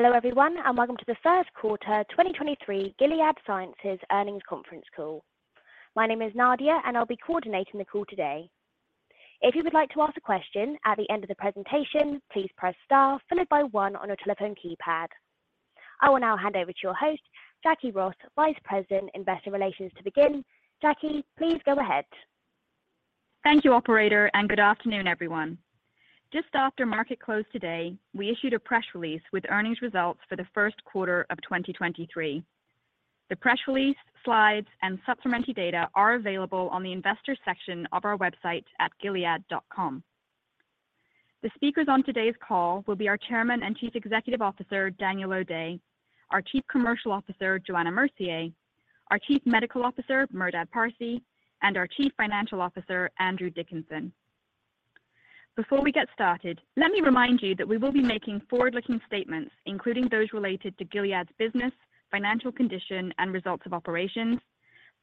Hello everyone, and welcome to the 2023 Gilead Sciences Earnings Conference Call. My name is Nadia, and I'll be coordinating the call today. If you would like to ask a question at the end of the presentation, please press Star followed by 1 on your telephone keypad. I will now hand over to your host, Jacquie Ross, Vice President, Investor Relations, to begin. JJacqi please go ahead. Thank you, operator. Good afternoon, everyone. Just after market close today, we issued a press release with earnings results for the of 2023. The press release, slides, and supplementary data are available on the investors section of our website at gilead.com. The speakers on today's call will be our Chairman and Chief Executive Officer, Daniel O'Day, our Chief Commercial Officer, Johanna Mercier, our Chief Medical Officer, Merdad Parsey, and our Chief Financial Officer, Andrew Dickinson. Before we get started, let me remind you that we will be making forward-looking statements, including those related to Gilead's business, financial condition and results of operations,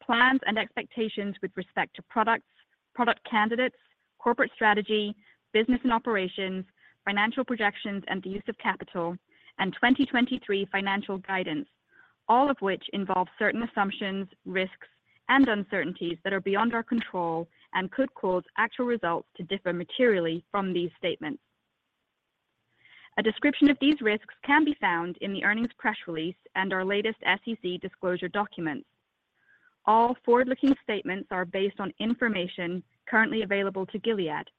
plans and expectations with respect to products, product candidates, corporate strategy, business and operations, financial projections and the use of capital, and 2023 financial guidance, all of which involve certain assumptions, risks and uncertainties that are beyond our control and could cause actual results to differ materially from these statements. A description of these risks can be found in the earnings press release and our latest SEC disclosure documents. All forward-looking statements are based on information currently available to Gilead,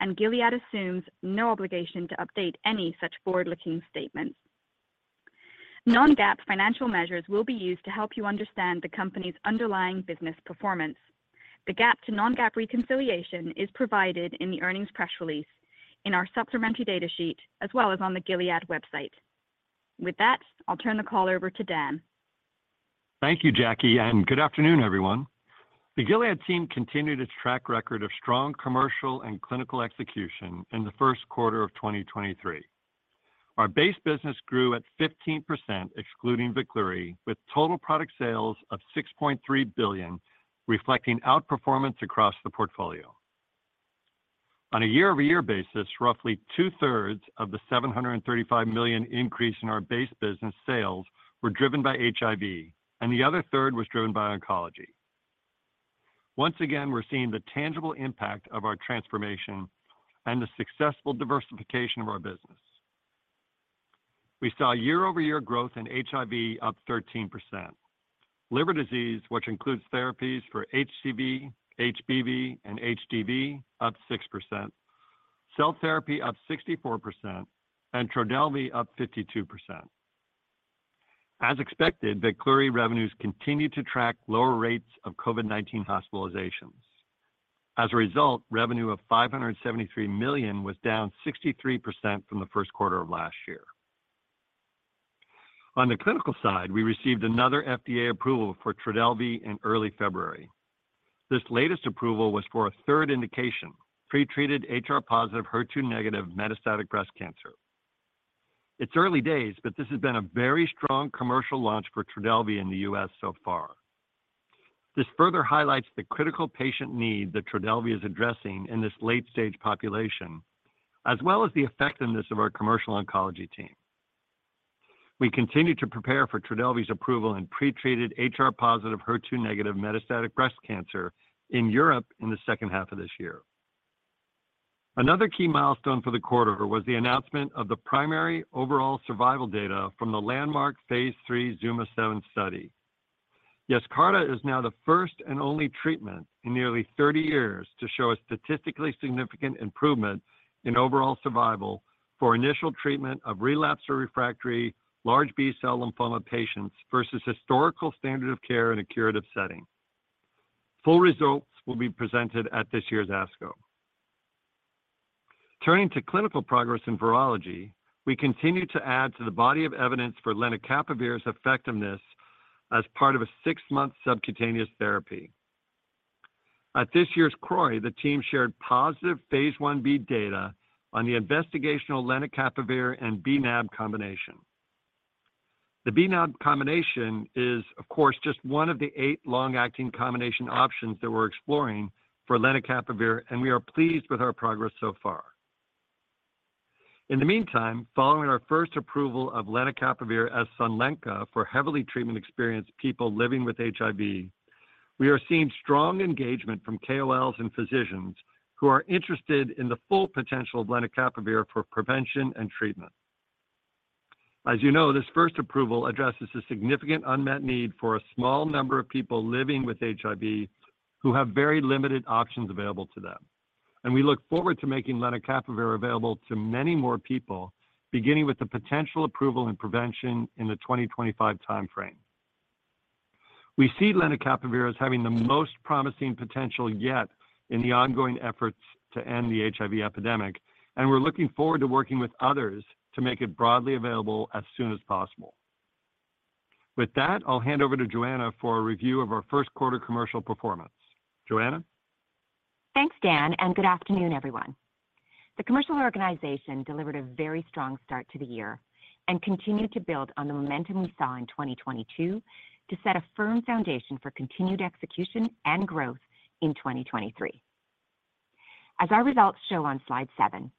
and Gilead assumes no obligation to update any such forward-looking statements. Non-GAAP financial measures will be used to help you understand the company's underlying business performance. The GAAP to non-GAAP reconciliation is provided in the earnings press release, in our supplementary data sheet, as well as on the Gilead website. With that, I'll turn the call over to Dan. Thank you, Jacquie, good afternoon, everyone. The Gilead team continued its track record of strong commercial and clinical execution in the of 2023. Our base business grew at 15% excluding Veklury, with total product sales of $6.3 billion, reflecting outperformance across the portfolio. On a year-over-year basis, roughly two-thirds of the $735 million increase in our base business sales were driven by HIV, and the other third was driven by oncology. Once again, we're seeing the tangible impact of our transformation and the successful diversification of our business. We saw year-over-year growth in HIV up 13%. Liver disease, which includes therapies for HCV, HBV, and HDV up 6%, cell therapy up 64%, and Trodelvy up 52%. As expected, Veklury revenues continued to track lower rates of COVID-19 hospitalizations. As a result, revenue of $573 million was down 63% from the of last year. On the clinical side, we received another FDA approval for Trodelvy in early February. This latest approval was for a third indication, pretreated HR-positive, HER2-negative metastatic breast cancer. It's early days, This has been a very strong commercial launch for Trodelvy in the US so far. This further highlights the critical patient need that Trodelvy is addressing in this late-stage population, as well as the effectiveness of our commercial oncology team. We continue to prepare for Trodelvy's approval in pretreated HR-positive, HER2-negative metastatic breast cancer in Europe in the second half of this year. Another key milestone for the quarter was the announcement of the primary overall survival data from the landmark Phase 3 ZUMA-7 study. Yescarta is now the first and only treatment in nearly 30 years to show a statistically significant improvement in overall survival for initial treatment of relapsed or refractory large B-cell lymphoma patients versus historical standard of care in a curative setting. Full results will be presented at this year's ASCO. Turning to clinical progress in virology, we continue to add to the body of evidence for lenacapavir's effectiveness as part of a 6-month subcutaneous therapy. At this year's CROI, the team shared positive Phase 1B data on the investigational lenacapavir and bNAb combination. The bNAb combination is, of course, just one of the 8 long-acting combination options that we're exploring for lenacapavir, and we are pleased with our progress so far. In the meantime, following our first approval of lenacapavir as Sunlenca for heavily treatment-experienced people living with HIV, we are seeing strong engagement from KOLs and physicians who are interested in the full potential of lenacapavir for prevention and treatment. As you know, this first approval addresses the significant unmet need for a small number of people living with HIV who have very limited options available to them, and we look forward to making lenacapavir available to many more people, beginning with the potential approval in prevention in the 2025 timeframe. We see lenacapavir as having the most promising potential yet in the ongoing efforts to end the HIV epidemic, and we're looking forward to working with others to make it broadly available as soon as possible. With that, I'll hand over to Johanna for a review of our commercial performance. Johanna? Thanks, Dan. Good afternoon, everyone. The commercial organization delivered a very strong start to the year and continued to build on the momentum we saw in 2022 to set a firm foundation for continued execution and growth in 2023. As our results show on slide 7,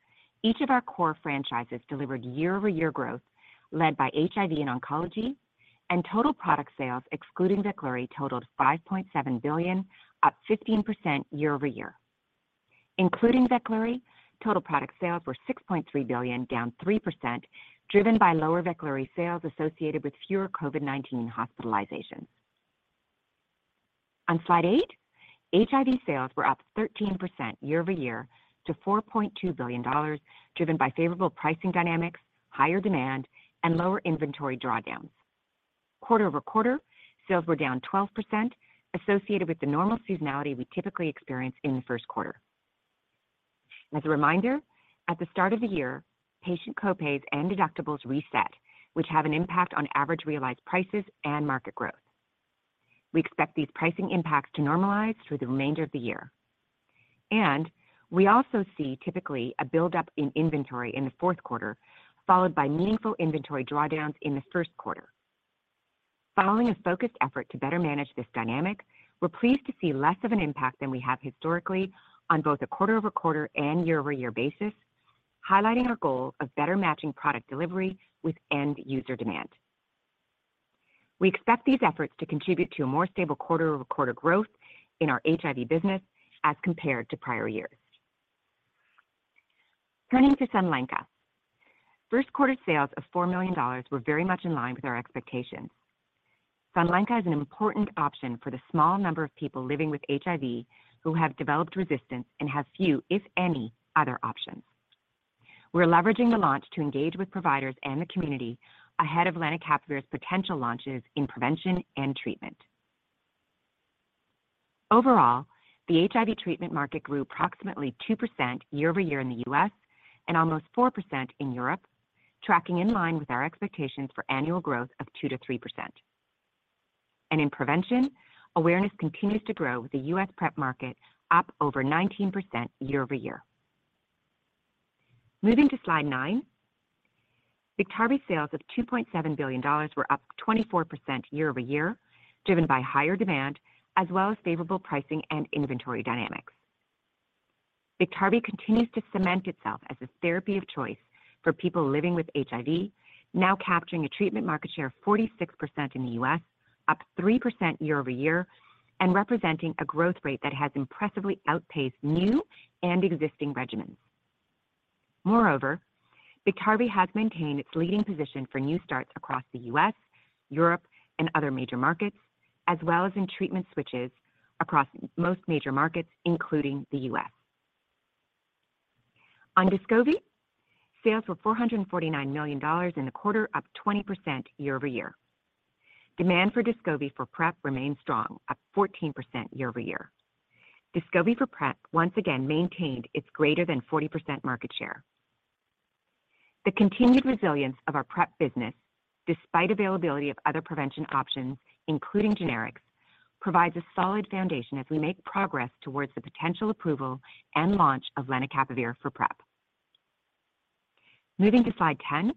each of our core franchises delivered year-over-year growth led by HIV and oncology, and total product sales, excluding Veklury, totaled $5.7 billion, up 15% year-over-year. Including Veklury, total product sales were $6.3 billion, down 3%, driven by lower Veklury sales associated with fewer COVID-19 hospitalizations. On slide 8, HIV sales were up 13% year-over-year to $4.2 billion, driven by favorable pricing dynamics, higher demand, and lower inventory drawdowns. Quarter-over-quarter sales were down 12% associated with the normal seasonality we typically experience in the. As a reminder, at the start of the year, patient co-pays and deductibles reset, which have an impact on average realized prices and market growth. We expect these pricing impacts to normalize through the remainder of the year. We also see typically a buildup in inventory in the Q4, followed by meaningful inventory drawdowns in the. Following a focused effort to better manage this dynamic, we're pleased to see less of an impact than we have historically on both a quarter-over-quarter and year-over-year basis, highlighting our goal of better matching product delivery with end user demand. We expect these efforts to contribute to a more stable quarter-over-quarter growth in our HIV business as compared to prior years. Turning to Sunlenca. sales of $4 million were very much in line with our expectations. Sunlenca is an important option for the small number of people living with HIV who have developed resistance and have few, if any, other options. We're leveraging the launch to engage with providers and the community ahead of lenacapavir's potential launches in prevention and treatment. Overall, the HIV treatment market grew approximately 2% year-over-year in the US and almost 4% in Europe, tracking in line with our expectations for annual growth of 2%-3%. In prevention, awareness continues to grow with the US PrEP market up over 19% year-over-year. Moving to slide 9. Biktarvy sales of $2.7 billion were up 24% year-over-year, driven by higher demand as well as favorable pricing and inventory dynamics. Biktarvy continues to cement itself as a therapy of choice for people living with HIV, now capturing a treatment market share of 46% in the US, up 3% year-over-year, and representing a growth rate that has impressively outpaced new and existing regimens. Biktarvy has maintained its leading position for new starts across the US, Europe, and other major markets, as well as in treatment switches across most major markets, including the US On Descovy, sales were $449 million in the quarter, up 20% year-over-year. Demand for Descovy for PrEP remains strong, up 14% year-over-year. Descovy for PrEP once again maintained its greater than 40% market share. The continued resilience of our PrEP business, despite availability of other prevention options, including generics, provides a solid foundation as we make progress towards the potential approval and launch of lenacapavir for PrEP. Moving to slide 10.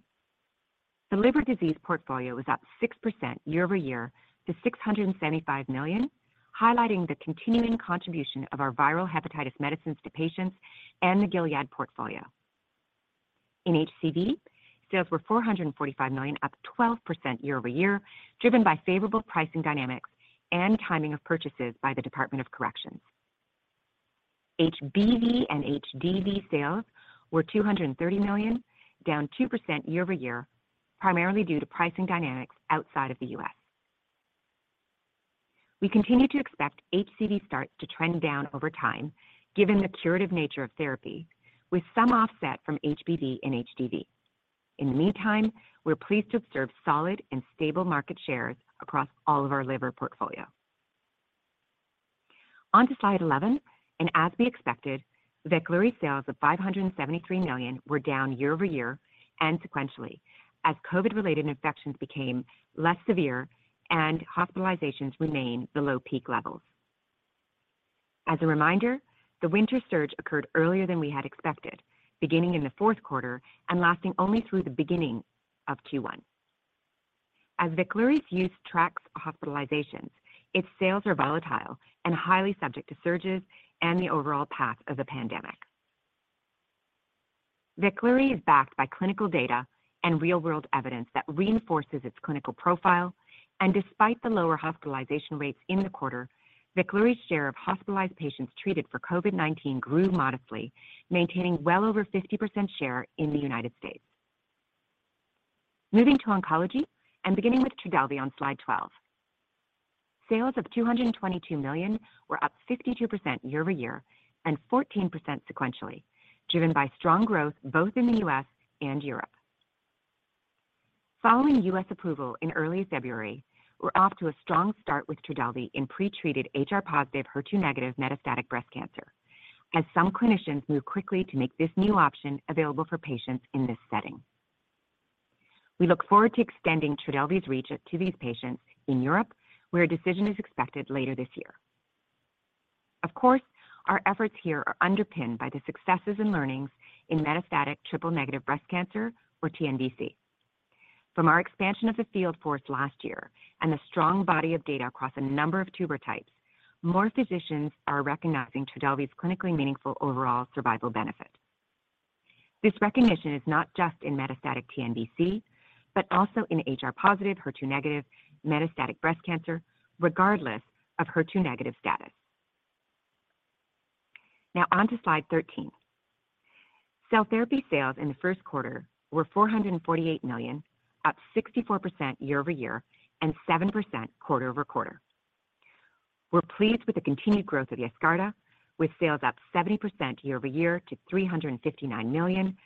The liver disease portfolio was up 6% year-over-year to $675 million, highlighting the continuing contribution of our viral hepatitis medicines to patients and the Gilead portfolio. In HCV, sales were $445 million, up 12% year-over-year, driven by favorable pricing dynamics and timing of purchases by the Department of Corrections. HBV and HDV sales were $230 million, down 2% year-over-year, primarily due to pricing dynamics outside of the US. We continue to expect HCV starts to trend down over time, given the curative nature of therapy, with some offset from HBV and HDV. In the meantime, we're pleased to observe solid and stable market shares across all of our liver portfolio. On to slide 11, as we expected, Veklury sales of $573 million were down year-over-year and sequentially as COVID-related infections became less severe and hospitalizations remain below peak levels. As a reminder, the winter surge occurred earlier than we had expected, beginning in the Q4 and lasting only through the beginning of Q1. As Veklury's use tracks hospitalizations, its sales are volatile and highly subject to surges and the overall path of the pandemic. Veklury is backed by clinical data and real-world evidence that reinforces its clinical profile, and despite the lower hospitalization rates in the quarter, Veklury's share of hospitalized patients treated for COVID-19 grew modestly, maintaining well over 50% share in the United States. Moving to oncology and beginning with Trodelvy on slide 12. Sales of $222 million were up 52% year-over-year and 14% sequentially, driven by strong growth both in the US and Europe. Following US approval in early February, we're off to a strong start with Trodelvy in pretreated HR-positive, HER2-negative metastatic breast cancer as some clinicians move quickly to make this new option available for patients in this setting. We look forward to extending Trodelvy's reach to these patients in Europe, where a decision is expected later this year. Our efforts here are underpinned by the successes and learnings in metastatic triple-negative breast cancer or TNBC. From our expansion of the field force last year and the strong body of data across a number of tumor types, more physicians are recognizing Trodelvy's clinically meaningful overall survival benefit. This recognition is not just in metastatic TNBC, but also in HR positive, HER2-negative metastatic breast cancer, regardless of HER2-negative status. On to slide 13. Cell therapy sales in the were $448 million, up 64% year-over-year and 7% quarter-over-quarter. We're pleased with the continued growth of Yescarta, with sales up 70% year-over-year to $359 million,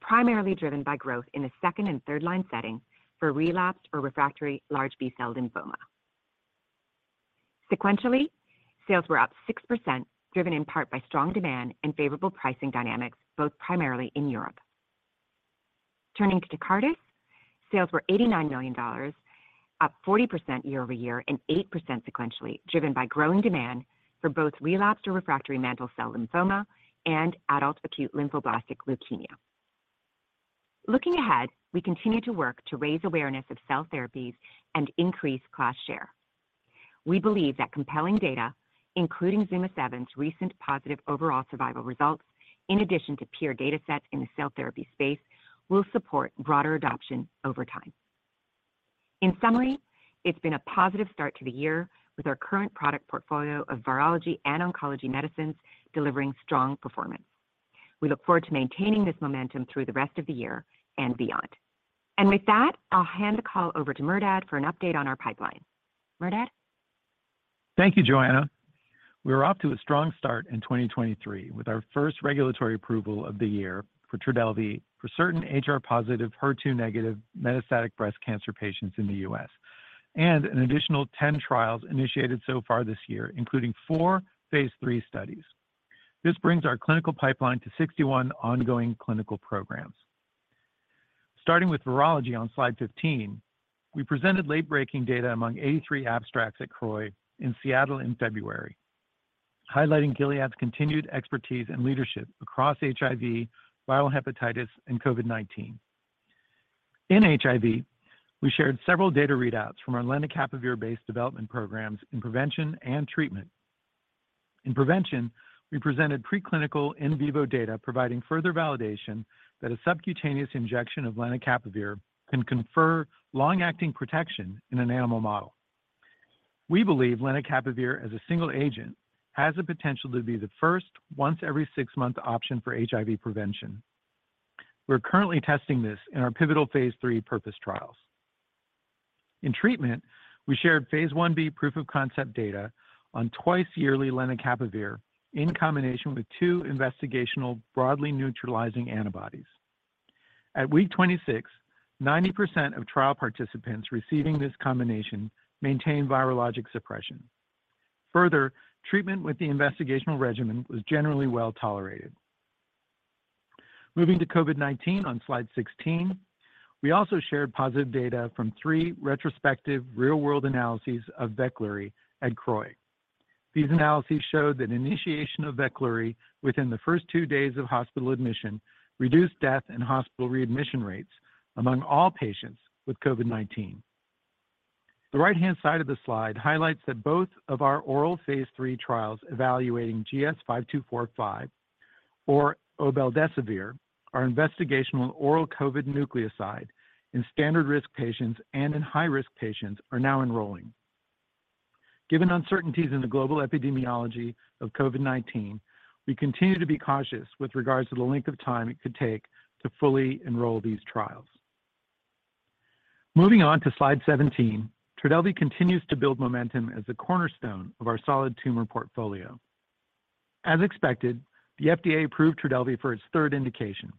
primarily driven by growth in the second and third line setting for relapsed or refractory large B-cell lymphoma. Sequentially, sales were up 6%, driven in part by strong demand and favorable pricing dynamics, both primarily in Europe. Turning to Tecartus, sales were $89 million, up 40% year-over-year and 8% sequentially, driven by growing demand for both relapsed or refractory mantle cell lymphoma and adult acute lymphoblastic leukemia. Looking ahead, we continue to work to raise awareness of cell therapies and increase class share. We believe that compelling data, including ZUMA-7's recent positive overall survival results, in addition to peer data sets in the cell therapy space, will support broader adoption over time. In summary, it's been a positive start to the year with our current product portfolio of virology and oncology medicines delivering strong performance. We look forward to maintaining this momentum through the rest of the year and beyond. With that, I'll hand the call over to Merdad for an update on our pipeline. Merdad? Thank you, Johanna. We were off to a strong start in 2023 with our first regulatory approval of the year for Trodelvy for certain HR positive, HER2-negative metastatic breast cancer patients in the US and an additional 10 trials initiated so far this year, including 4 phase 3 studies. This brings our clinical pipeline to 61 ongoing clinical programs. Starting with virology on slide 15, we presented late-breaking data among 83 abstracts at CROI in Seattle in February, highlighting Gilead's continued expertise and leadership across HIV, viral hepatitis, and COVID-19. In HIV, we shared several data readouts from our lenacapavir-based development programs in prevention and treatment. In prevention, we presented preclinical in vivo data providing further validation that a subcutaneous injection of lenacapavir can confer long-acting protection in an animal model. We believe lenacapavir as a single agent has the potential to be the first once every 6-month option for HIV prevention. We're currently testing this in our pivotal Phase 3 purpose trials. In treatment, we shared Phase 1B proof of concept data on twice-yearly lenacapavir in combination with two investigational broadly neutralizing antibodies. At week 26, 90% of trial participants receiving this combination maintained virologic suppression. Further, treatment with the investigational regimen was generally well-tolerated. Moving to COVID-19 on slide 16, we also shared positive data from three retrospective real-world analyses of Veklury at CROI. These analyses showed that initiation of Veklury within the first two days of hospital admission reduced death and hospital readmission rates among all patients with COVID-19. The right-hand side of the slide highlights that both of our oral phase 3 trials evaluating GS-5245 or obeldesivir, our investigational oral COVID-19 nucleoside in standard risk patients and in high risk patients are now enrolling. Given uncertainties in the global epidemiology of COVID-19, we continue to be cautious with regards to the length of time it could take to fully enroll these trials. Moving on to slide 17, Trodelvy continues to build momentum as the cornerstone of our solid tumor portfolio. As expected, the FDA approved Trodelvy for its third indication.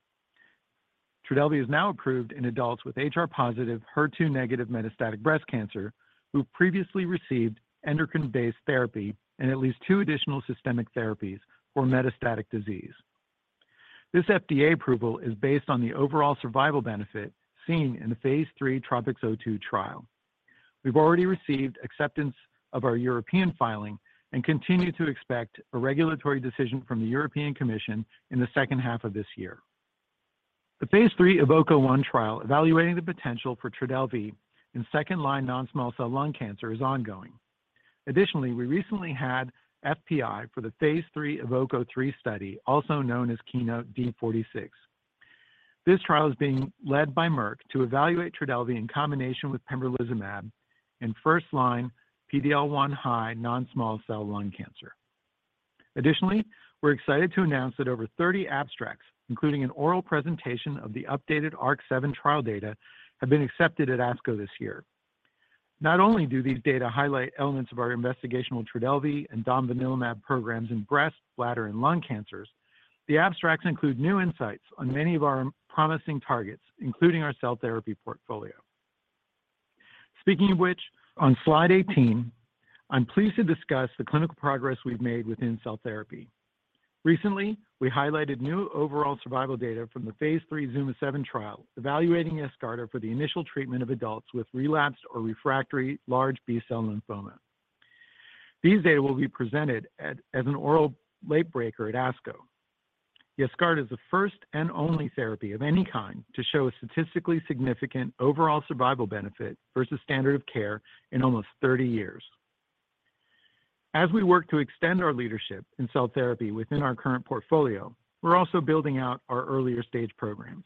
Trodelvy is now approved in adults with HR-positive, HER2-negative metastatic breast cancer who previously received endocrine-based therapy and at least 2 additional systemic therapies for metastatic disease. This FDA approval is based on the overall survival benefit seen in the phase 3 TROPiCS-02 trial. We've already received acceptance of our European filing and continue to expect a regulatory decision from the European Commission in the second half of this year. The phase 3 EVOKE-01 trial evaluating the potential for Trodelvy in second-line non-small cell lung cancer is ongoing. We recently had FPI for the phase 3 EVOKE-03 study, also known as KEYNOTE-D46. This trial is being led by Merck to evaluate Trodelvy in combination with pembrolizumab in first-line PD-L1 high non-small cell lung cancer. We're excited to announce that over 30 abstracts, including an oral presentation of the updated ARC-7 trial data, have been accepted at ASCO this year. Not only do these data highlight elements of our investigational Trodelvy and domvanalimab programs in breast, bladder, and lung cancers, the abstracts include new insights on many of our promising targets, including our cell therapy portfolio. Speaking of which, on slide 18, I'm pleased to discuss the clinical progress we've made within cell therapy. Recently, we highlighted new overall survival data from the phase 3 ZUMA-7 trial evaluating Yescarta for the initial treatment of adults with relapsed or refractory large B-cell lymphoma. These data will be presented as an oral late breaker at ASCO. Yescarta is the first and only therapy of any kind to show a statistically significant overall survival benefit versus standard of care in almost 30 years. We work to extend our leadership in cell therapy within our current portfolio, we're also building out our earlier-stage programs.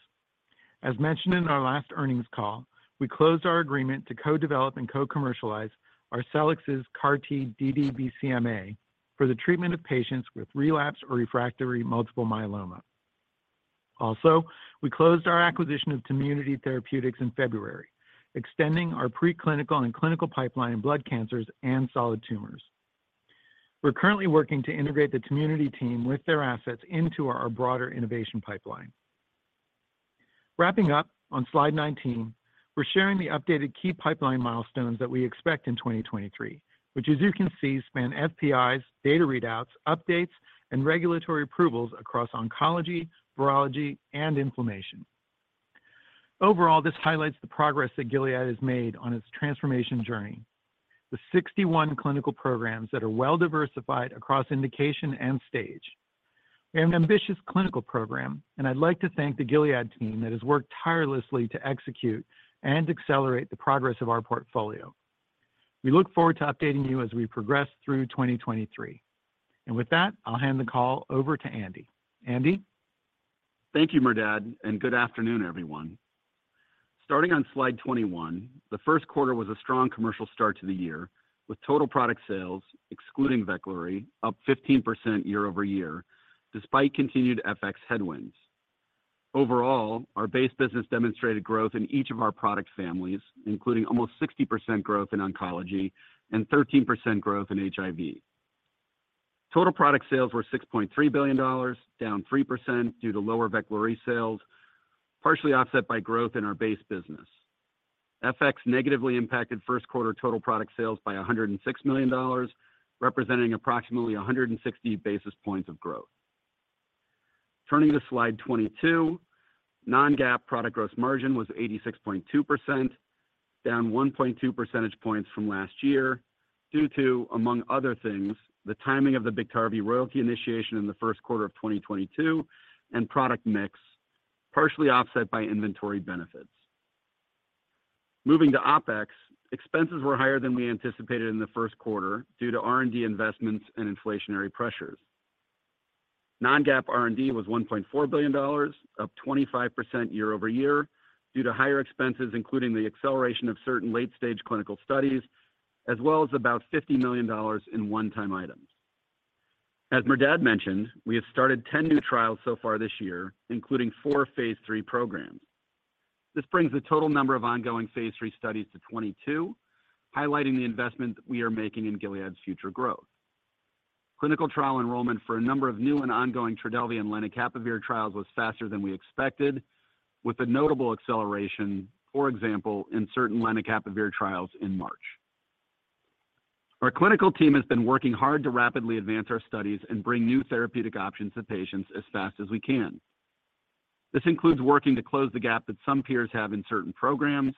Mentioned in our last earnings call, we closed our agreement to co-develop and co-commercialize Arcellx's CART-ddBCMA for the treatment of patients with relapsed or refractory multiple myeloma. We closed our acquisition of Tmunity Therapeutics in February, extending our preclinical and clinical pipeline in blood cancers and solid tumors. We're currently working to integrate the Tmunity team with their assets into our broader innovation pipeline. Wrapping up on slide 19, we're sharing the updated key pipeline milestones that we expect in 2023, which as you can see, span FPIs, data readouts, updates, and regulatory approvals across oncology, virology, and inflammation. This highlights the progress that Gilead has made on its transformation journey. The 61 clinical programs that are well-diversified across indication and stage. We have an ambitious clinical program, and I'd like to thank the Gilead team that has worked tirelessly to execute and accelerate the progress of our portfolio. We look forward to updating you as we progress through 2023. With that, I'll hand the call over to Andy. Andy? Thank you, Merdad. Good afternoon, everyone. Starting on slide 21, the was a strong commercial start to the year, with total product sales, excluding Veklury, up 15% year-over-year, despite continued FX headwinds. Overall, our base business demonstrated growth in each of our product families, including almost 60% growth in oncology and 13% growth in HIV. Total product sales were $6.3 billion, down 3% due to lower Veklury sales, partially offset by growth in our base business. FX negatively impacted total product sales by $106 million, representing approximately 160 basis points of growth. Turning to slide 22, non-GAAP product gross margin was 86.2%, down 1.2 percentage points from last year due to, among other things, the timing of the Biktarvy royalty initiation in the of 2022 and product mix, partially offset by inventory benefits. Moving to OpEx, expenses were higher than we anticipated in the due to R&D investments and inflationary pressures. Non-GAAP R&D was $1.4 billion, up 25% year-over-year due to higher expenses, including the acceleration of certain late-stage clinical studies, as well as about $50 million in one-time items. As Merdad mentioned, we have started 10 new trials so far this year, including four phase 3 programs. This brings the total number of ongoing phase 3 studies to 22, highlighting the investment we are making in Gilead's future growth. Clinical trial enrollment for a number of new and ongoing Trodelvy and lenacapavir trials was faster than we expected, with a notable acceleration for example, in certain lenacapavir trials in March. Our clinical team has been working hard to rapidly advance our studies and bring new therapeutic options to patients as fast as we can. This includes working to close the gap that some peers have in certain programs.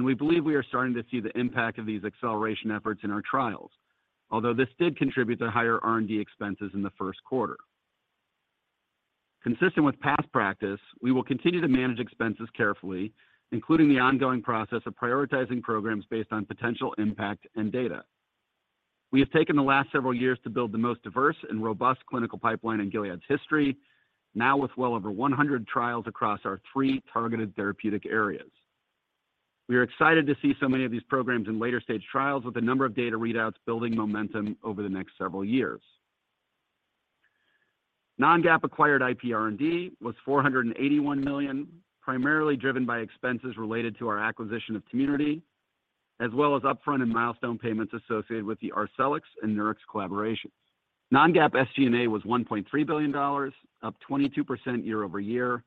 We believe we are starting to see the impact of these acceleration efforts in our trials, although this did contribute to higher R&D expenses in the. Consistent with past practice, we will continue to manage expenses carefully, including the ongoing process of prioritizing programs based on potential impact and data. We have taken the last several years to build the most diverse and robust clinical pipeline in Gilead's history, now with well over 100 trials across our three targeted therapeutic areas. We are excited to see so many of these programs in later-stage trials with a number of data readouts building momentum over the next several years. Non-GAAP acquired IPR&D was $481 million, primarily driven by expenses related to our acquisition of Tmunity, as well as upfront and milestone payments associated with the Arcellx and Nurix collaboration. Non-GAAP SG&A was $1.3 billion, up 22% year-over-year,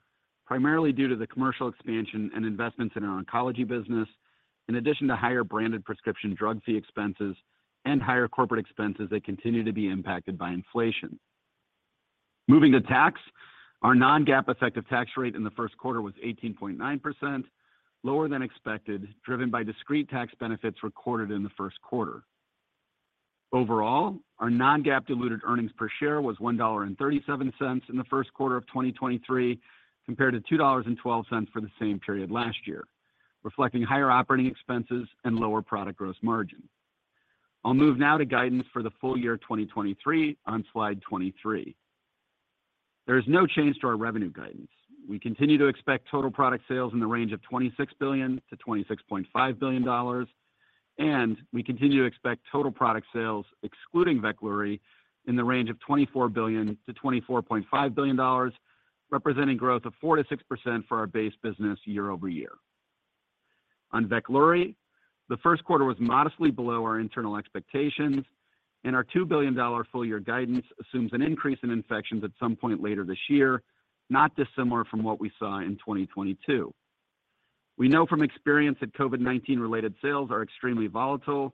primarily due to the commercial expansion and investments in our oncology business, in addition to higher branded prescription drug fee expenses and higher corporate expenses that continue to be impacted by inflation. Moving to tax, our non-GAAP effective tax rate in the was 18.9%, lower than expected, driven by discrete tax benefits recorded in the. Our non-GAAP diluted earnings per share was $1.37 in the of 2023, compared to $2.12 for the same period last year, reflecting higher operating expenses and lower product gross margin. I'll move now to guidance for the full-year 2023 on slide 23. There is no change to our revenue guidance. We continue to expect total product sales in the range of $26 billion-$26.5 billion, and we continue to expect total product sales excluding Veklury in the range of $24 billion-$24.5 billion, representing growth of 4%-6% for our base business year-over-year. On Veklury, the was modestly below our internal expectations, and our $2 billion full-year guidance assumes an increase in infections at some point later this year, not dissimilar from what we saw in 2022. We know from experience that COVID-19 related sales are extremely volatile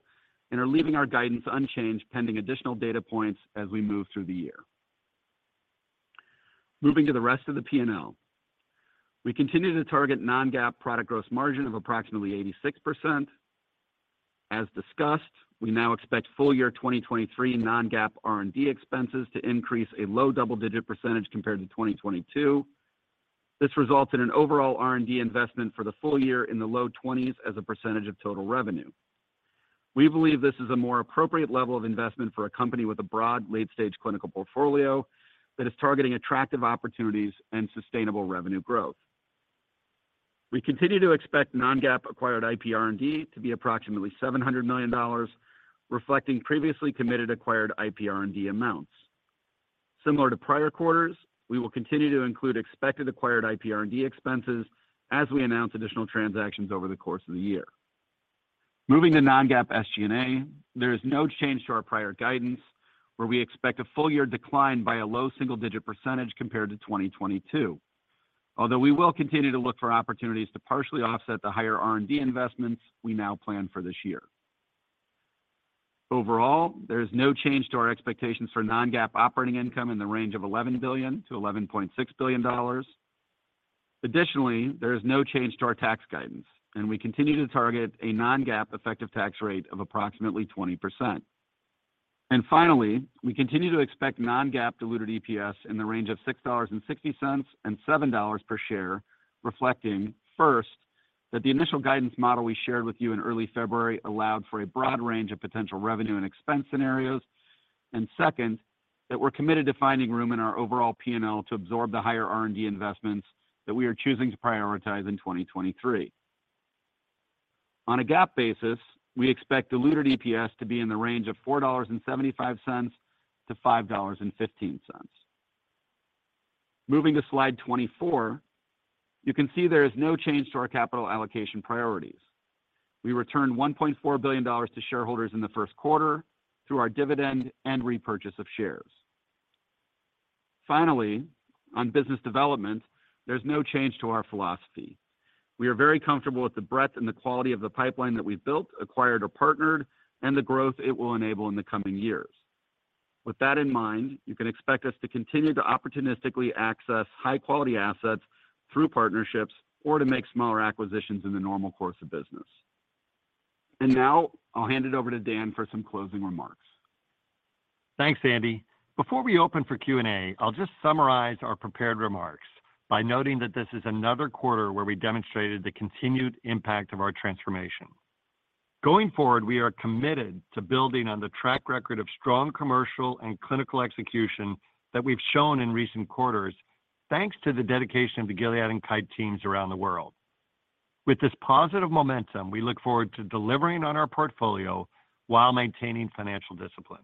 and are leaving our guidance unchanged pending additional data points as we move through the year. Moving to the rest of the P&L. We continue to target non-GAAP product gross margin of approximately 86%. As discussed, we now expect full-year 2023 non-GAAP R&D expenses to increase a low double-digit percentage compared to 2022. This results in an overall R&D investment for the full-year in the low twenties as a percentage of total revenue. We believe this is a more appropriate level of investment for a company with a broad late-stage clinical portfolio that is targeting attractive opportunities and sustainable revenue growth. We continue to expect non-GAAP acquired IPR&D to be approximately $700 million, reflecting previously committed acquired IPR&D amounts. Similar to prior quarters, we will continue to include expected acquired IPR&D expenses as we announce additional transactions over the course of the year. Moving to non-GAAP SG&A, there is no change to our prior guidance, where we expect a full-year decline by a low single-digit % compared to 2022. We will continue to look for opportunities to partially offset the higher R&D investments we now plan for this year. Overall, there is no change to our expectations for non-GAAP operating income in the range of $11 billion-$11.6 billion. There is no change to our tax guidance, and we continue to target a non-GAAP effective tax rate of approximately 20%. Finally, we continue to expect non-GAAP diluted EPS in the range of $6.60 and $7 per share, reflecting first, that the initial guidance model we shared with you in early February allowed for a broad range of potential revenue and expense scenarios. Second, that we're committed to finding room in our overall P&L to absorb the higher R&D investments that we are choosing to prioritize in 2023. On a GAAP basis, we expect diluted EPS to be in the range of $4.75-$5.15. Moving to slide 24, you can see there is no change to our capital allocation priorities. We returned $1.4 billion to shareholders in the through our dividend and repurchase of shares. Finally, on business development, there's no change to our philosophy. We are very comfortable with the breadth and the quality of the pipeline that we've built, acquired or partnered, and the growth it will enable in the coming years. With that in mind, you can expect us to continue to opportunistically access high-quality assets through partnerships or to make smaller acquisitions in the normal course of business. Now I'll hand it over to Dan for some closing remarks. Thanks, Andy. Before we open for Q&A, I'll just summarize our prepared remarks by noting that this is another quarter where we demonstrated the continued impact of our transformation. Going forward, we are committed to building on the track record of strong commercial and clinical execution that we've shown in recent quarters, thanks to the dedication of the Gilead and Kite teams around the world. With this positive momentum, we look forward to delivering on our portfolio while maintaining financial discipline.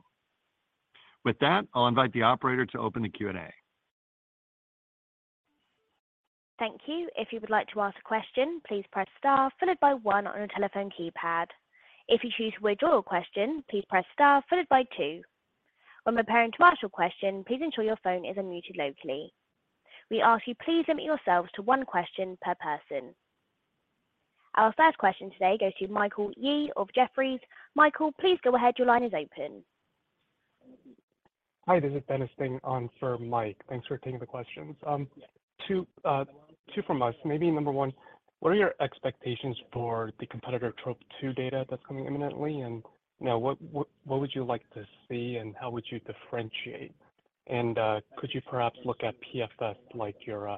With that, I'll invite the operator to open the Q&A. Thank you. If you would like to ask a question, please press star followed by one on your telephone keypad. If you choose to withdraw your question, please press star followed by two. When preparing to ask your question, please ensure your phone is unmuted locally. We ask you please limit yourselves to one question per person. Our first question today goes to Michael Yee of Jefferies. Michael, please go ahead. Your line is open. Hi, this is Dennis sitting on for Mike. Thanks for taking the questions. 2 from us. Maybe number 1, what are your expectations for the competitor Trop-2 data that's coming imminently? You know, what would you like to see and how would you differentiate? Could you perhaps look at PFS like your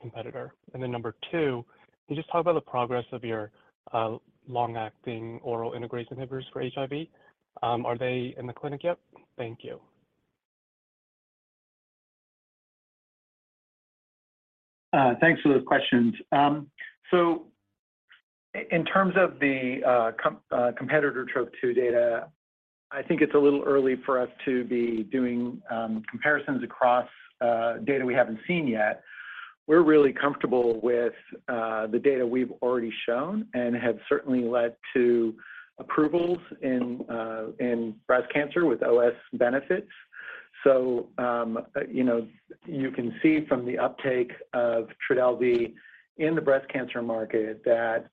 competitor? Number 2, can you just talk about the progress of your long-acting oral integrase inhibitors for HIV? Are they in the clinic yet? Thank you. Thanks for those questions. In terms of the competitor Trop-2 data, I think it's a little early for us to be doing comparisons across data we haven't seen yet. We're really comfortable with the data we've already shown and have certainly led to approvals in breast cancer with OS benefits. You know, you can see from the uptake of Trodelvy in the breast cancer market that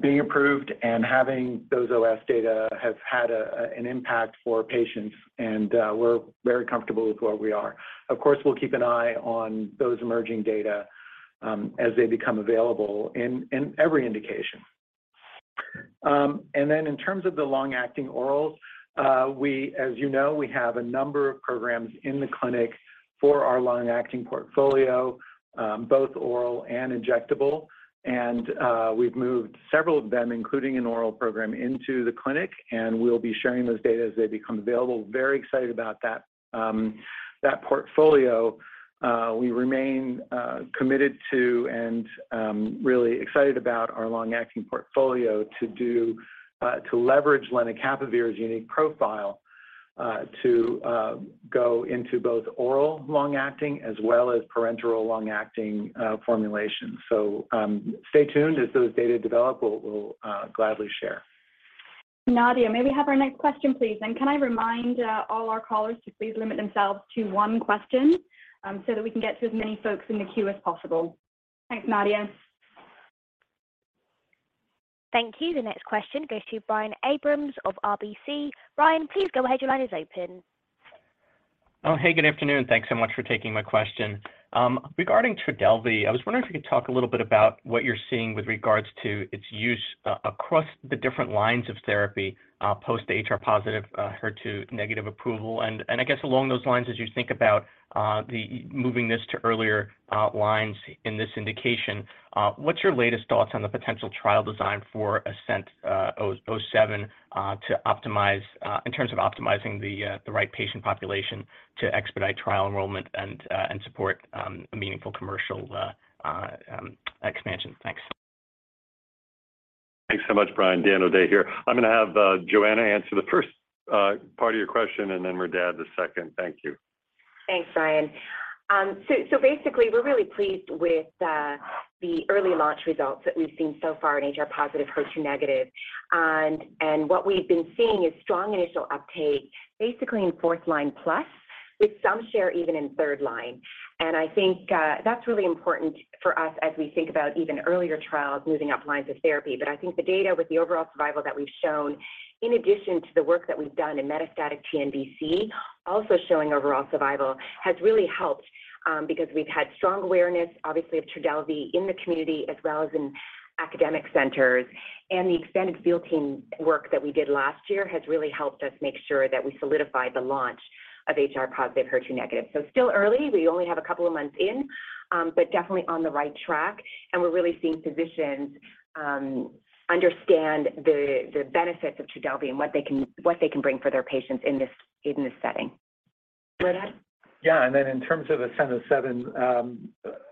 being approved and having those OS data has had an impact for patients, and we're very comfortable with where we are. Of course, we'll keep an eye on those emerging data as they become available in every indication. Then in terms of the long-acting orals, as you know, we have a number of programs in the clinic for our long-acting portfolio, both oral and injectable. We've moved several of them, including an oral program, into the clinic, and we'll be sharing those data as they become available. Very excited about that portfolio. We remain committed to and really excited about our long-acting portfolio to do to leverage lenacapavir's unique profile, to go into both oral long-acting as well as parenteral long-acting formulations. Stay tuned. As those data develop, we'll gladly share. Nadia, may we have our next question, please? Can I remind all our callers to please limit themselves to one question, so that we can get to as many folks in the queue as possible. Thanks, Nadia. Thank you. The next question goes to Brian Abrahams of RBC. Brian, please go ahead. Your line is open. Hey, good afternoon. Thanks so much for taking my question. Regarding Trodelvy, I was wondering if you could talk a little bit about what you're seeing with regards to its use across the different lines of therapy, post HR-positive, HER2-negative approval. I guess along those lines as you think about moving this to earlier lines in this indication, what's your latest thoughts on the potential trial design for ASCENT 07 to optimize, in terms of optimizing the right patient population to expedite trial enrollment and support a meaningful commercial expansion? Thanks. Thanks so much, Brian. Dan O'Day here. I'm gonna have Johanna answer the first part of your question and then Merdad the second. Thank you. Thanks, Brian. Basically we're really pleased with the early launch results that we've seen so far in HR-positive, HER2-negative. What we've been seeing is strong initial uptake basically in fourth line plus, with some share even in third line. I think that's really important for us as we think about even earlier trials moving up lines of therapy. I think the data with the overall survival that we've shown, in addition to the work that we've done in metastatic TNBC, also showing overall survival, has really helped because we've had strong awareness obviously of Trodelvy in the community as well as in academic centers. The expanded field team work that we did last year has really helped us make sure that we solidify the launch of HR-positive, HER2-negative. Still early, we only have a couple of months in, but definitely on the right track. We're really seeing physicians understand the benefits of Trodelvy and what they can, what they can bring for their patients in this, in this setting. Merdad. Yeah. In terms of ASCENT 07,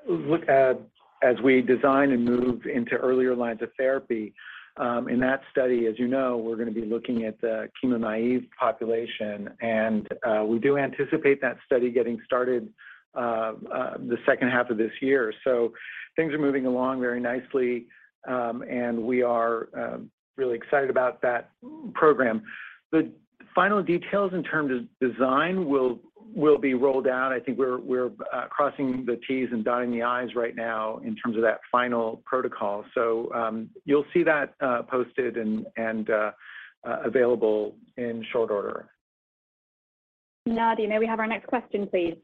look, as we design and move into earlier lines of therapy, in that study, as you know, we're gonna be looking at the chemo-naive population. We do anticipate that study getting started the 2nd half of this year. Things are moving along very nicely, and we are really excited about that program. The final details in terms of design will be rolled out. I think we're crossing the T's and dotting the I's right now in terms of that final protocol. You'll see that posted and available in short order. Nadia, may we have our next question, please?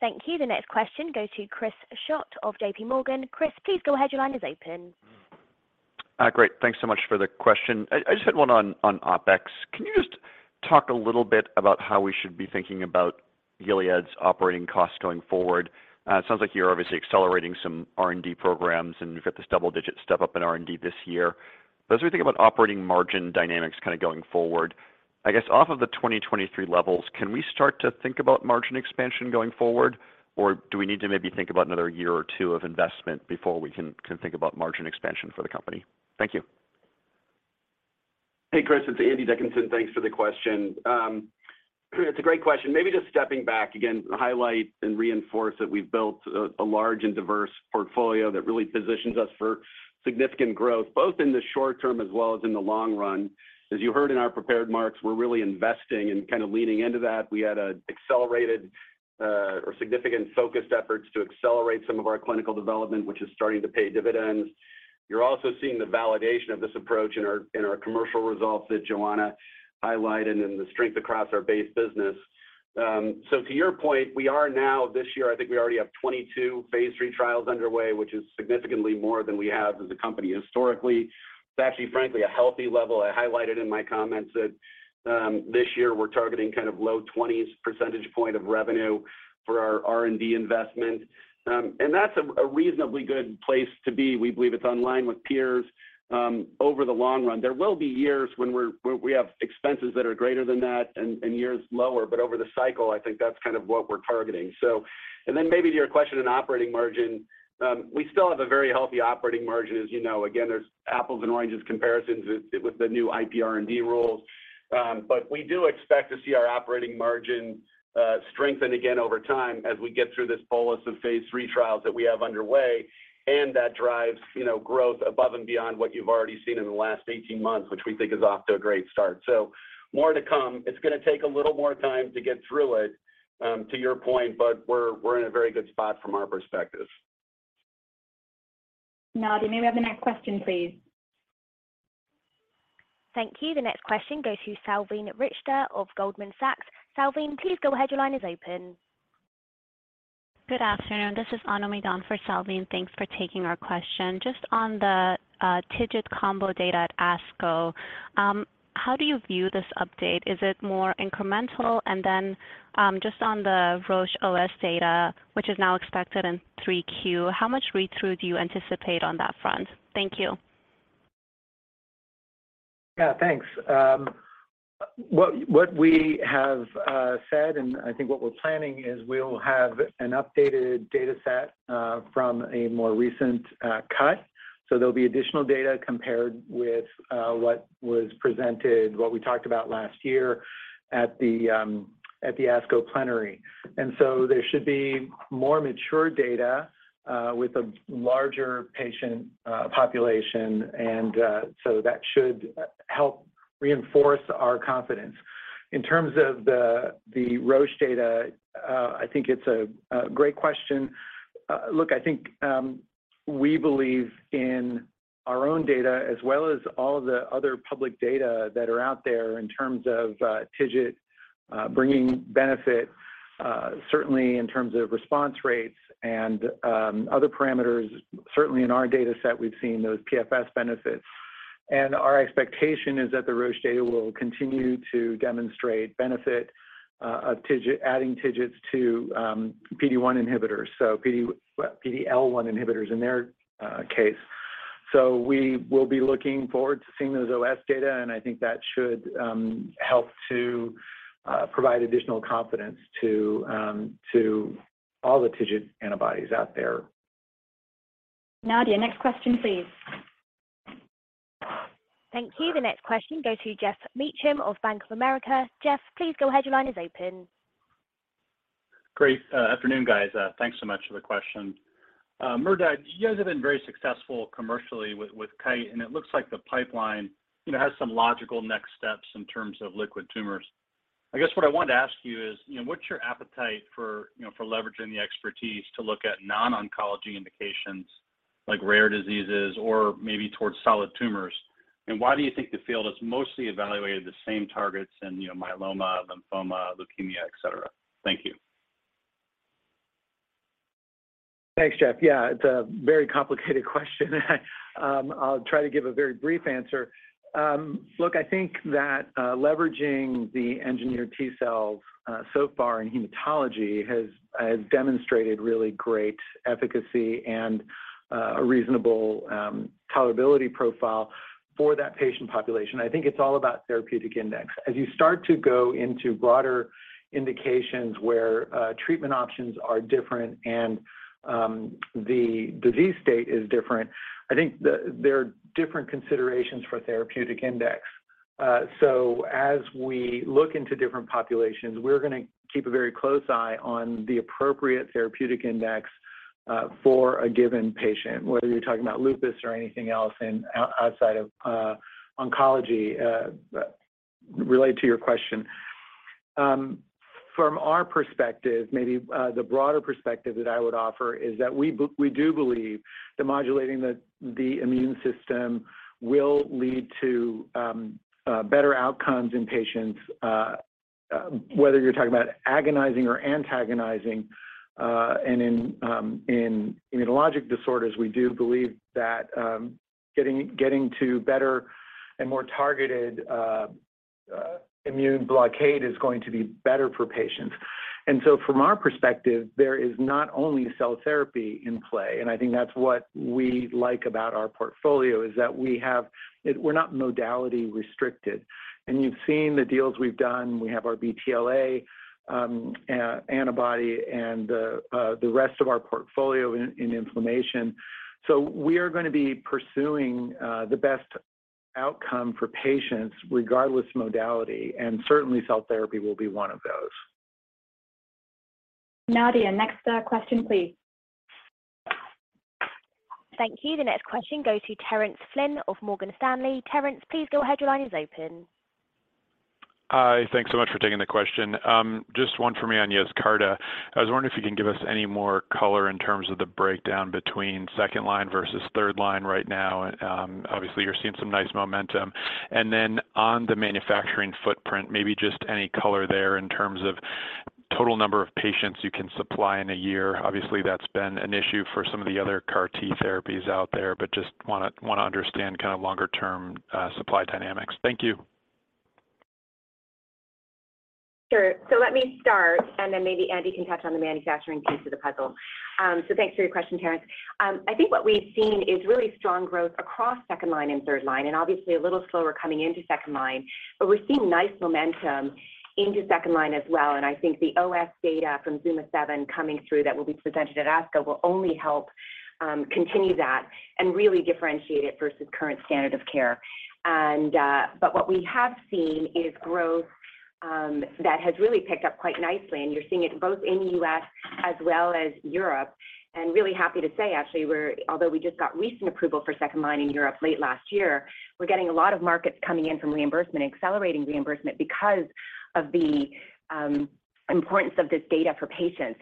Thank you. The next question goes to Chris Schott of JPMorgan. Chris, please go ahead. Your line is open. Great. Thanks so much for the question. I just had one on OpEx. Can you just talk a little bit about how we should be thinking about Gilead's operating costs going forward? It sounds like you're obviously accelerating some R&D programs, and you've got this double-digit step up in R&D this year. As we think about operating margin dynamics kinda going forward, I guess off of the 2023 levels, can we start to think about margin expansion going forward, or do we need to maybe think about another year or two of investment before we can think about margin expansion for the company? Thank you. Hey, Chris. It's Andy Dickinson. Thanks for the question. It's a great question. Maybe just stepping back again to highlight and reinforce that we've built a large and diverse portfolio that really positions us for significant growth, both in the short term as well as in the long run. As you heard in our prepared remarks, we're really investing and kind of leaning into that. We had a accelerated or significant focused efforts to accelerate some of our clinical development, which is starting to pay dividends. You're also seeing the validation of this approach in our commercial results that Johanna highlighted and the strength across our base business. To your point, we are now this year, I think we already have 22 phase 3 trials underway, which is significantly more than we have as a company historically. It's actually, frankly, a healthy level. I highlighted in my comments that this year we're targeting kind of low 20s percentage point of revenue for our R&D investment. That's a reasonably good place to be. We believe it's online with peers. Over the long run, there will be years when we have expenses that are greater than that and years lower. Over the cycle, I think that's kind of what we're targeting. Maybe to your question on operating margin, we still have a very healthy operating margin, as you know. Again, there's apples and oranges comparisons with the new IPR&D rules. We do expect to see our operating margin strengthen again over time as we get through this bolus of phase 3 trials that we have underway. That drives, you know, growth above and beyond what you've already seen in the last 18 months, which we think is off to a great start. More to come. It's gonna take a little more time to get through it, to your point, but we're in a very good spot from our perspective. Nadia, may we have the next question, please? Thank you. The next question goes to Salveen Richter of Goldman Sachs. Salveen, please go ahead. Your line is open. Good afternoon. This is Anami Don for Salveen Richter. Thanks for taking our question. Just on the TIGIT combo data at ASCO, how do you view this update? Is it more incremental? Just on the Roche OS data, which is now expected in 3Q, how much read-through do you anticipate on that front? Thank you. Yeah, thanks. What we have said, and I think what we're planning is we'll have an updated dataset from a more recent cut. There'll be additional data compared with what was presented, what we talked about last year at the ASCO plenary. There should be more mature data with a larger patient population. That should reinforce our confidence. In terms of the Roche data, I think it's a great question. Look, I think we believe in our own data as well as all of the other public data that are out there in terms of TIGIT bringing benefit certainly in terms of response rates and other parameters. Certainly in our data set, we've seen those PFS benefits. Our expectation is that the Roche data will continue to demonstrate benefit of TIGIT, adding TIGITs to PD-1 inhibitors, so PD-L1 inhibitors in their case. We will be looking forward to seeing those OS data, and I think that should help to provide additional confidence to all the TIGIT antibodies out there. Nadia, next question please. Thank you. The next question goes to Geoff Meacham of Bank of America. Jeff, please go ahead. Your line is open. Great. afternoon, guys. thanks so much for the question. Murdo, you guys have been very successful commercially with Kite, and it looks like the pipeline, you know, has some logical next steps in terms of liquid tumors. I guess what I wanted to ask you is, you know, what's your appetite for, you know, for leveraging the expertise to look at non-oncology indications like rare diseases or maybe towards solid tumors? Why do you think the field has mostly evaluated the same targets in, you know, myeloma, lymphoma, leukemia, et cetera? Thank you. Thanks, Geoff. Yeah, it's a very complicated question. I'll try to give a very brief answer. Look, I think that leveraging the engineered T-cells so far in hematology has demonstrated really great efficacy and a reasonable tolerability profile for that patient population. I think it's all about therapeutic index. As you start to go into broader indications where treatment options are different and the disease state is different, I think there are different considerations for therapeutic index. As we look into different populations, we're gonna keep a very close eye on the appropriate therapeutic index for a given patient, whether you're talking about lupus or anything else outside of oncology related to your question. From our perspective, maybe, the broader perspective that I would offer is that we do believe that modulating the immune system will lead to better outcomes in patients, whether you're talking about agonizing or antagonizing. In immunologic disorders, we do believe that getting to better and more targeted immune blockade is going to be better for patients. From our perspective, there is not only cell therapy in play, and I think that's what we like about our portfolio is that we're not modality restricted. You've seen the deals we've done. We have our BTLA antibody and the rest of our portfolio in inflammation. We are gonna be pursuing the best outcome for patients regardless of modality, and certainly cell therapy will be one of those. Nadia, next question please. Thank you. The next question goes to Terence Flynn of Morgan Stanley. Terence, please go ahead. Your line is open. Hi. Thanks so much for taking the question. Just one for me on Yescarta. I was wondering if you can give us any more color in terms of the breakdown between second line versus third line right now. Obviously you're seeing some nice momentum. Then on the manufacturing footprint, maybe just any color there in terms of total number of patients you can supply in a year. Obviously that's been an issue for some of the other CAR T therapies out there, but just wanna understand kind of longer term supply dynamics. Thank you. Sure. Let me start, and then maybe Andy can touch on the manufacturing piece of the puzzle. Thanks for your question, Terence. I think what we've seen is really strong growth across second line and third line, and obviously a little slower coming into second line, but we're seeing nice momentum into second line as well. I think the OS data from ZUMA-7 coming through that will be presented at ASCO will only help continue that and really differentiate it versus current standard of care. What we have seen is growth that has really picked up quite nicely, and you're seeing it both in the US as well as Europe. Really happy to say actually although we just got recent approval for second line in Europe late last year, we're getting a lot of markets coming in from reimbursement, accelerating reimbursement because of the importance of this data for patients.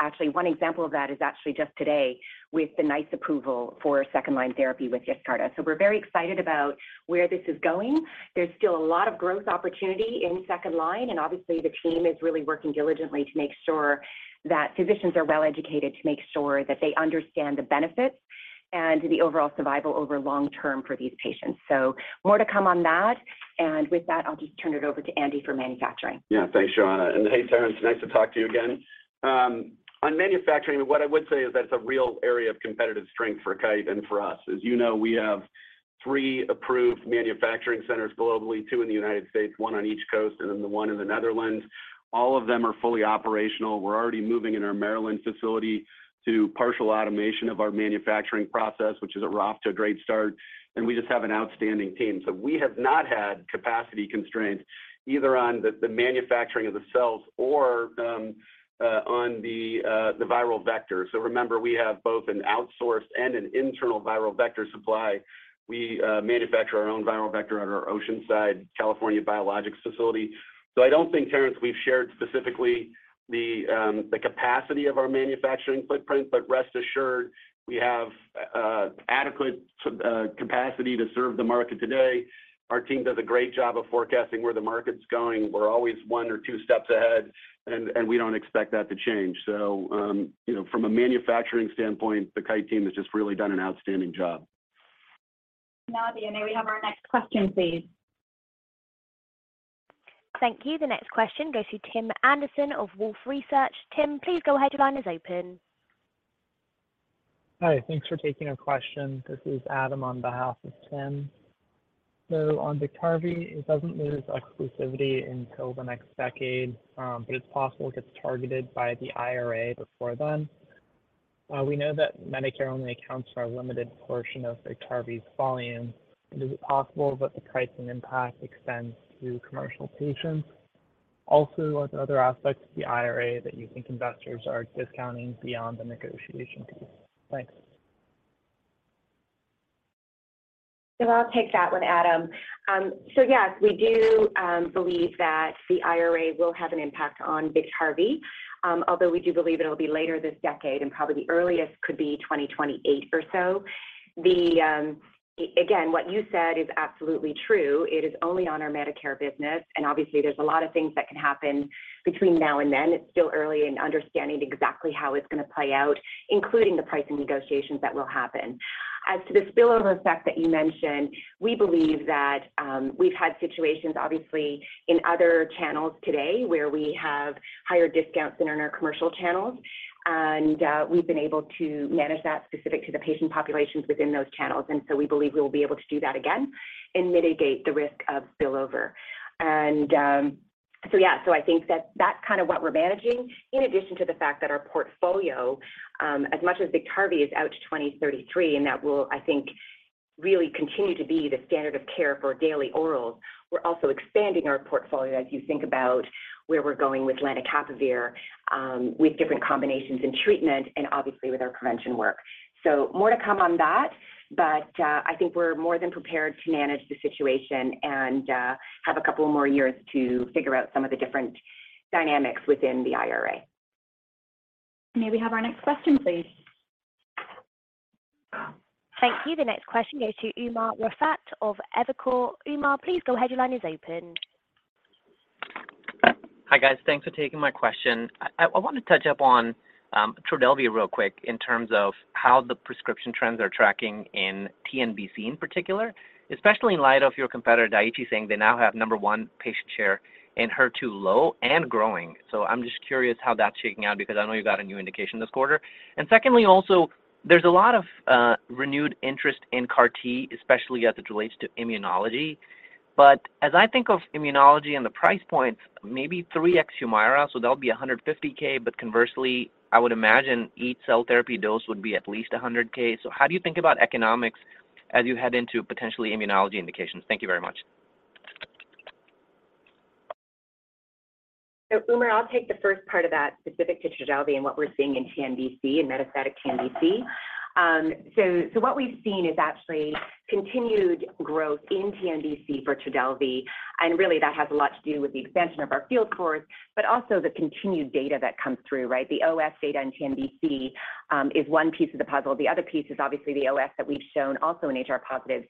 Actually one example of that is actually just today with the NICE approval for second line therapy with Yescarta. We're very excited about where this is going. There's still a lot of growth opportunity in second line, and obviously the team is really working diligently to make sure that physicians are well educated to make sure that they understand the benefits and the overall survival over long term for these patients. More to come on that. With that, I'll just turn it over to Andy for manufacturing. Yeah. Thanks, Shawna. Hey, Terence, nice to talk to you again. On manufacturing, what I would say is that it's a real area of competitive strength for Kite and for us. As you know, we have Three approved manufacturing centers globally, two in the United States, one on each coast, the one in the Netherlands. All of them are fully operational. We're already moving in our Maryland facility to partial automation of our manufacturing process, which is a rough to a great start, and we just have an outstanding team. We have not had capacity constraints either on the manufacturing of the cells or on the viral vector. Remember, we have both an outsourced and an internal viral vector supply. We manufacture our own viral vector at our Oceanside California biologics facility. I don't think, Terence, we've shared specifically the capacity of our manufacturing footprint, but rest assured we have adequate capacity to serve the market today. Our team does a great job of forecasting where the market's going. We're always one or two steps ahead and we don't expect that to change. You know, from a manufacturing standpoint, the Kite team has just really done an outstanding job. Nadia, may we have our next question, please? Thank you. The next question goes to Tim Anderson of Wolfe Research. Tim, please go ahead. Your line is open. Hi. Thanks for taking our question. This is Adam on behalf of Tim. On Biktarvy, it doesn't lose exclusivity until the next decade, but it's possible it gets targeted by the IRA before then. We know that Medicare only accounts for a limited portion of Biktarvy's volume. Is it possible that the pricing impact extends to commercial patients? Are there other aspects of the IRA that you think investors are discounting beyond the negotiation piece? Thanks. I'll take that one, Adam. Yes, we do believe that the IRA will have an impact on Biktarvy, although we do believe it'll be later this decade and probably the earliest could be 2028 or so. Again, what you said is absolutely true. It is only on our Medicare business, and obviously there's a lot of things that can happen between now and then. It's still early in understanding exactly how it's gonna play out, including the pricing negotiations that will happen. As to the spillover effect that you mentioned, we believe that we've had situations obviously in other channels today where we have higher discounts than in our commercial channels, and we've been able to manage that specific to the patient populations within those channels. We believe we'll be able to do that again and mitigate the risk of spillover. Yeah. I think that that's kind of what we're managing in addition to the fact that our portfolio, as much as Biktarvy is out to 2033, and that will, I think really continue to be the standard of care for daily orals. We're also expanding our portfolio as you think about where we're going with lenacapavir, with different combinations in treatment and obviously with our prevention work. More to come on that, but, I think we're more than prepared to manage the situation and, have a couple more years to figure out some of the different dynamics within the IRA. May we have our next question, please? Thank you. The next question goes to Umer Raffat of Evercore. Umer, please go ahead. Your line is open. Hi, guys. Thanks for taking my question. I want to touch up on Trodelvy real quick in terms of how the prescription trends are tracking in TNBC in particular, especially in light of your competitor Daiichi saying they now have number 1 patient share in HER2 low and growing. I'm just curious how that's shaking out because I know you got a new indication this quarter. Secondly, also, there's a lot of renewed interest in CAR T, especially as it relates to immunology. As I think of immunology and the price points, maybe 3x Humira, that'll be $150K, but conversely, I would imagine each cell therapy dose would be at least $100K. How do you think about economics as you head into potentially immunology indications? Thank you very much. Umar, I'll take the first part of that specific to Trodelvy and what we're seeing in TNBC and metastatic TNBC. What we've seen is actually continued growth in TNBC for Trodelvy, and really that has a lot to do with the expansion of our field course, but also the continued data that comes through, right? The OS data in TNBC is one piece of the puzzle. The other piece is obviously the OS that we've shown also in HR positive.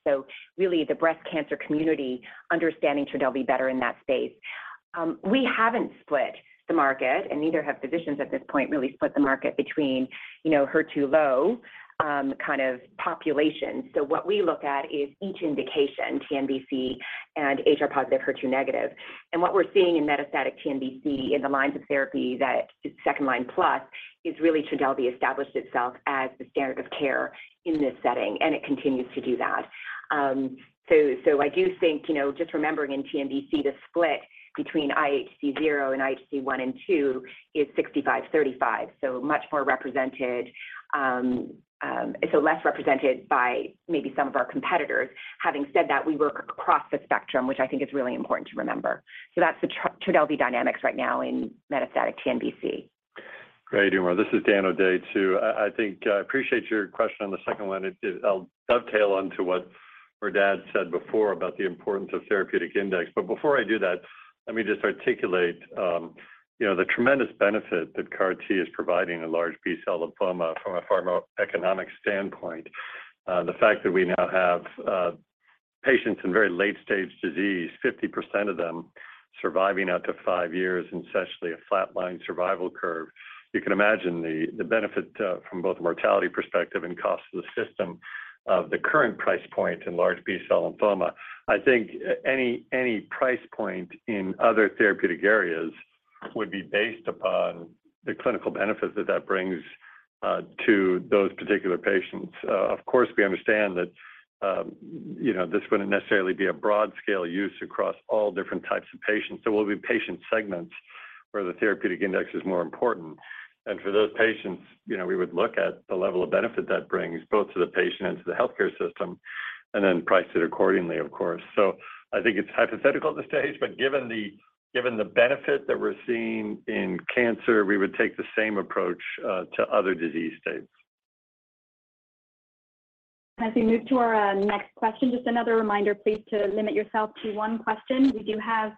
Really the breast cancer community understanding Trodelvy better in that space. We haven't split the market and neither have physicians at this point really split the market between, you know, HER2 low kind of population. What we look at is each indication, TNBC and HR positive, HER2 negative. What we're seeing in metastatic TNBC in the lines of therapy that is 2nd line plus is really Trodelvy established itself as the standard of care in this setting, and it continues to do that. I do think, just remembering in TNBC, the split between IHC 0 and IHC 1 and 2 is 65-35, so much more represented. Less represented by maybe some of our competitors. Having said that, we work across the spectrum, which I think is really important to remember. That's the Trodelvy dynamics right now in metastatic TNBC. Great, Umar. This is Dan O'Day too. I think appreciate your question on the second one. I'll dovetail onto what Murad said before about the importance of therapeutic index. Before I do that, let me just articulate, you know, the tremendous benefit that CAR T is providing in large B-cell lymphoma from a pharma economic standpoint. The fact that we now have patients in very late stage disease, 50% of them surviving out to 5 years, and essentially a flatline survival curve. You can imagine the benefit from both a mortality perspective and cost to the system of the current price point in large B-cell lymphoma. I think any price point in other therapeutic areas. Would be based upon the clinical benefits that brings to those particular patients. Of course, we understand that, you know, this wouldn't necessarily be a broad-scale use across all different types of patients. There will be patient segments where the therapeutic index is more important. For those patients, you know, we would look at the level of benefit that brings both to the patient and to the healthcare system, and then price it accordingly, of course. I think it's hypothetical at this stage, but given the benefit that we're seeing in cancer, we would take the same approach to other disease states. As we move to our next question, just another reminder, please, to limit yourself to one question. We do have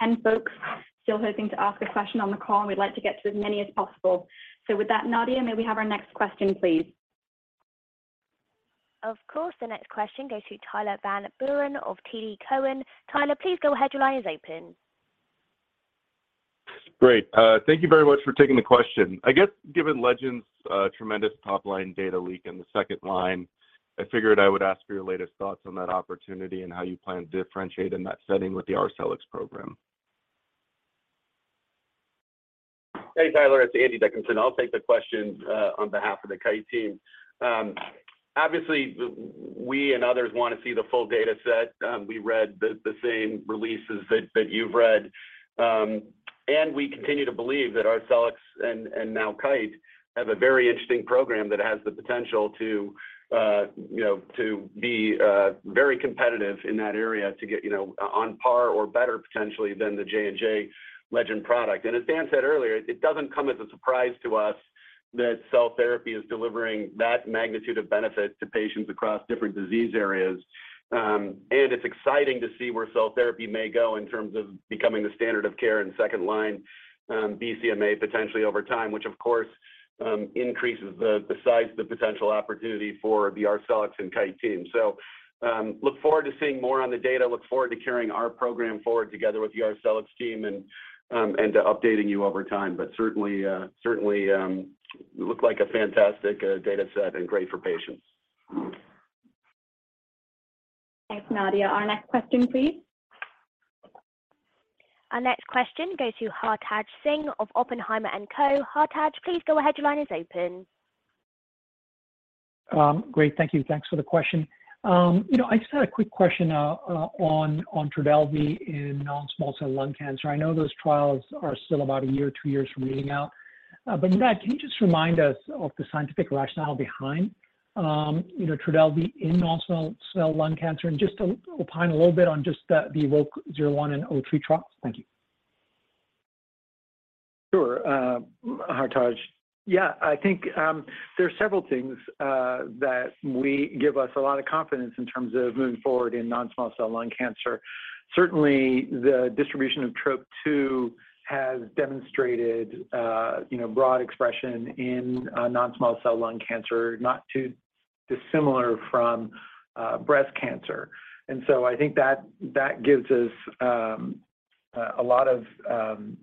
10 folks still hoping to ask a question on the call. We'd like to get to as many as possible. With that, Nadia, may we have our next question, please? Of course. The next question goes to Tyler Van Buren of TD Cowen. Tyler, please go ahead. Your line is open. Great. Thank you very much for taking the question. I guess given Legend's tremendous top-line data leak in the second line, I figured I would ask for your latest thoughts on that opportunity and how you plan to differentiate in that setting with the Arcellx program. Hey, Tyler. It's Andy Dickinson. I'll take the question on behalf of the Kite team. Obviously we and others want to see the full data set. We read the same releases that you've read. We continue to believe that Arcellx and now Kite have a very interesting program that has the potential to, you know, to be very competitive in that area to get, you know, on par or better potentially than the J&J Legend product. As Dan said earlier, it doesn't come as a surprise to us that cell therapy is delivering that magnitude of benefit to patients across different disease areas. It's exciting to see where cell therapy may go in terms of becoming the standard of care in second-line BCMA potentially over time, which of course, increases the potential opportunity for the Arcellx and Kite team. Look forward to seeing more on the data. Look forward to carrying our program forward together with the Arcellx team and updating you over time. Certainly, certainly, looked like a fantastic data set and great for patients. Thanks. Nadia, our next question, please. Our next question goes to Hartaj Singh of Oppenheimer and Co. Hartaj, please go ahead. Your line is open. Great. Thank you. Thanks for the question. You know, I just had a quick question, on Trodelvy in non-small cell lung cancer. I know those trials are still about a year, 2 years from reading out. Matt, can you just remind us of the scientific rationale behind, you know, Trodelvy in non-small cell lung cancer and just opine a little bit on just the EVOKE-01 and EVOKE-03 trials? Thank you. Sure. Hartaj. Yeah, I think there are several things that we give us a lot of confidence in terms of moving forward in non-small cell lung cancer. Certainly, the distribution of Trop-2 has demonstrated, you know, broad expression in non-small cell lung cancer, not too dissimilar from breast cancer. I think that gives us a lot of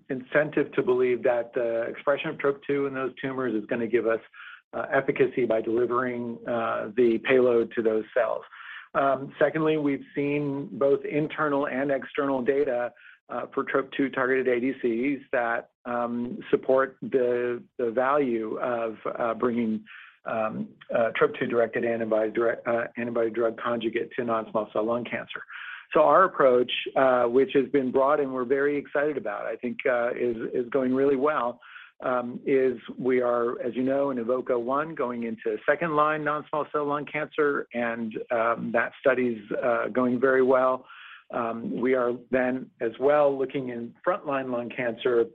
incentive to believe that the expression of Trop-2 in those tumors is gonna give us efficacy by delivering the payload to those cells. Secondly, we've seen both internal and external data for Trop-2-targeted ADCs that support the value of bringing Trop-2-directed antibody-drug conjugate to non-small cell lung cancer. Our approach, which has been broad and we're very excited about, I think, is going really well, is we are, as you know, in EVOKE-01, going into second-line non-small cell lung cancer, and that study's going very well. We are then as well looking in front line lung cancer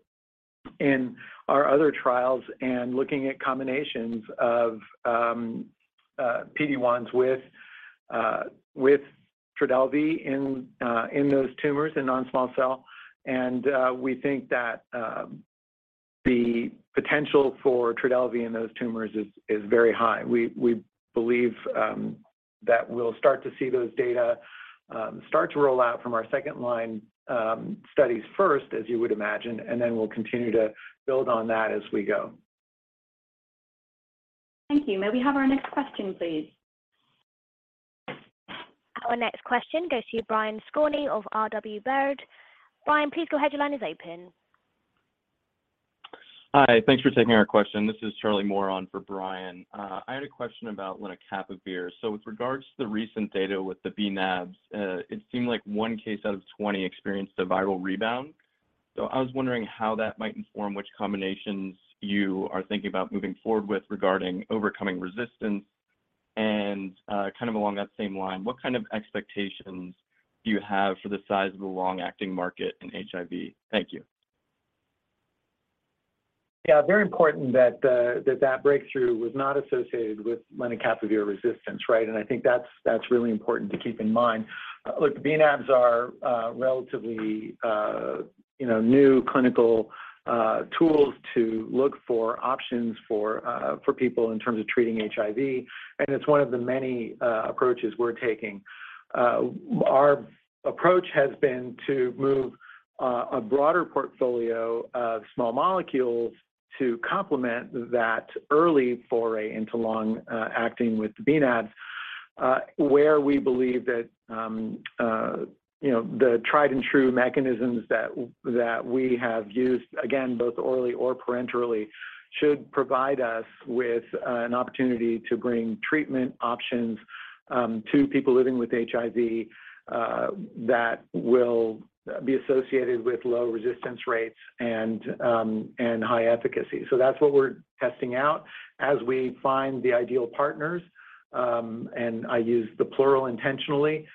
in our other trials and looking at combinations of PD-1s with Trodelvy in those tumors in non-small cell. We think that the potential for Trodelvy in those tumors is very high. We believe that we'll start to see those data start to roll out from our second line studies first, as you would imagine, and then we'll continue to build on that as we go. Thank you. May we have our next question, please? Our next question goes to Brian Skorney of Robert W. Baird & Co. Brian, please go ahead. Your line is open. Hi. Thanks for taking our question. This is Charlie Moore for Brian. I had a question about lenacapavir. With regards to the recent data with the bNAbs, it seemed like 1 case out of 20 experienced a viral rebound. I was wondering how that might inform which combinations you are thinking about moving forward with regarding overcoming resistance and, kind of along that same line, what kind of expectations do you have for the size of the long-acting market in HIV? Thank you. Yeah. Very important that that breakthrough was not associated with lenacapavir resistance, right? I think that's really important to keep in mind. Look, bNAbs are relatively, you know, new clinical tools to look for options for people in terms of treating HIV, and it's one of the many approaches we're taking. Our approach has been to move a broader portfolio of small molecules to complement that early foray into long acting with the bNAbs. Where we believe that, you know, the tried and true mechanisms that we have used, again, both orally or parenterally, should provide us with an opportunity to bring treatment options to people living with HIV that will be associated with low resistance rates and high efficacy. That's what we're testing out. As we find the ideal partners, and I use the plural intentionally,